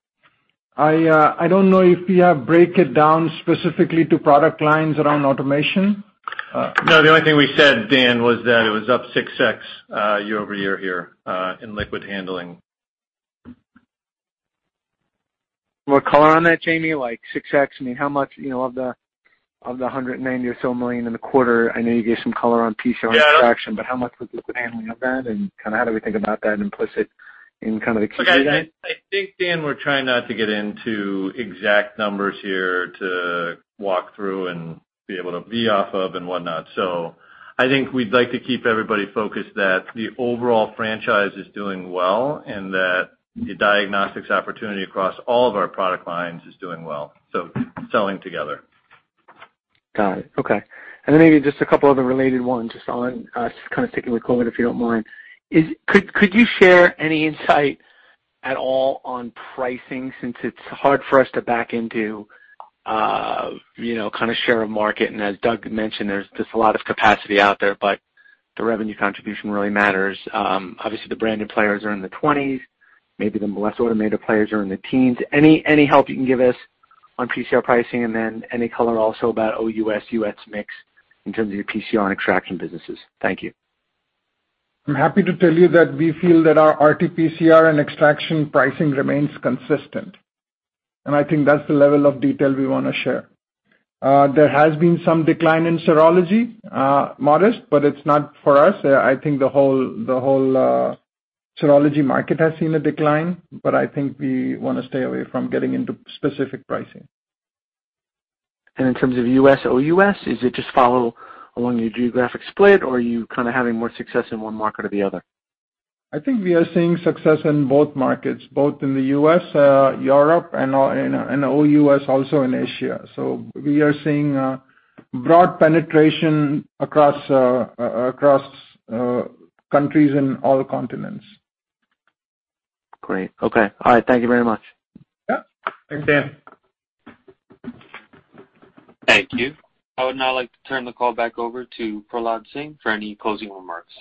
I don't know if we have break it down specifically to product lines around automation. No, the only thing we said, Dan, was that it was up 6x year-over-year here, in liquid handling. More color on that, Jamie? Like 6x, how much of the $190 million or so in the quarter, I know you gave some color on PCR extraction. Yeah. How much was liquid handling of that, and how do we think about that implicit in? Look, I think, Dan, we're trying not to get into exact numbers here to walk through and be able to be off of and whatnot. I think we'd like to keep everybody focused that the overall franchise is doing well and that the diagnostics opportunity across all of our product lines is doing well, so selling together. Got it. Okay. Maybe just a couple other related ones just on, just kind of sticking with COVID, if you don't mind. Could you share any insight at all on pricing, since it's hard for us to back into kind of share of market, and as Doug mentioned, there's just a lot of capacity out there, but the revenue contribution really matters. Obviously, the branded players are in the 20s. Maybe the less automated players are in the teens. Any help you can give us on PCR pricing, and then any color also about OUS, U.S. mix in terms of your PCR and extraction businesses. Thank you. I'm happy to tell you that we feel that our RT-PCR and extraction pricing remains consistent. I think that's the level of detail we want to share. There has been some decline in serology, modest, but it's not for us. I think the whole serology market has seen a decline, but I think we want to stay away from getting into specific pricing. In terms of U.S., OUS, is it just follow along your geographic split, or are you kind of having more success in one market or the other? I think we are seeing success in both markets, both in the U.S., Europe, and OUS also in Asia. We are seeing broad penetration across countries in all continents. Great. Okay. All right. Thank you very much. Yeah. Thanks, Dan. Thank you. I would now like to turn the call back over to Prahlad Singh for any closing remarks.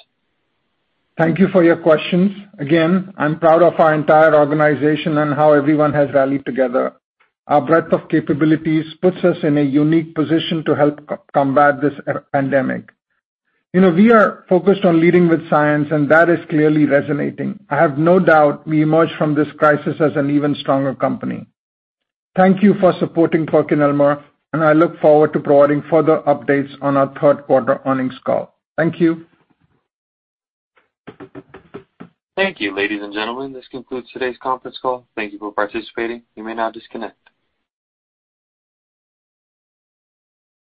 Thank you for your questions. Again, I'm proud of our entire organization and how everyone has rallied together. Our breadth of capabilities puts us in a unique position to help combat this pandemic. We are focused on leading with science, and that is clearly resonating. I have no doubt we emerge from this crisis as an even stronger company. Thank you for supporting PerkinElmer, and I look forward to providing further updates on our third quarter earnings call. Thank you. Thank you. Ladies and gentlemen, this concludes today's conference call. Thank you for participating. You may now disconnect.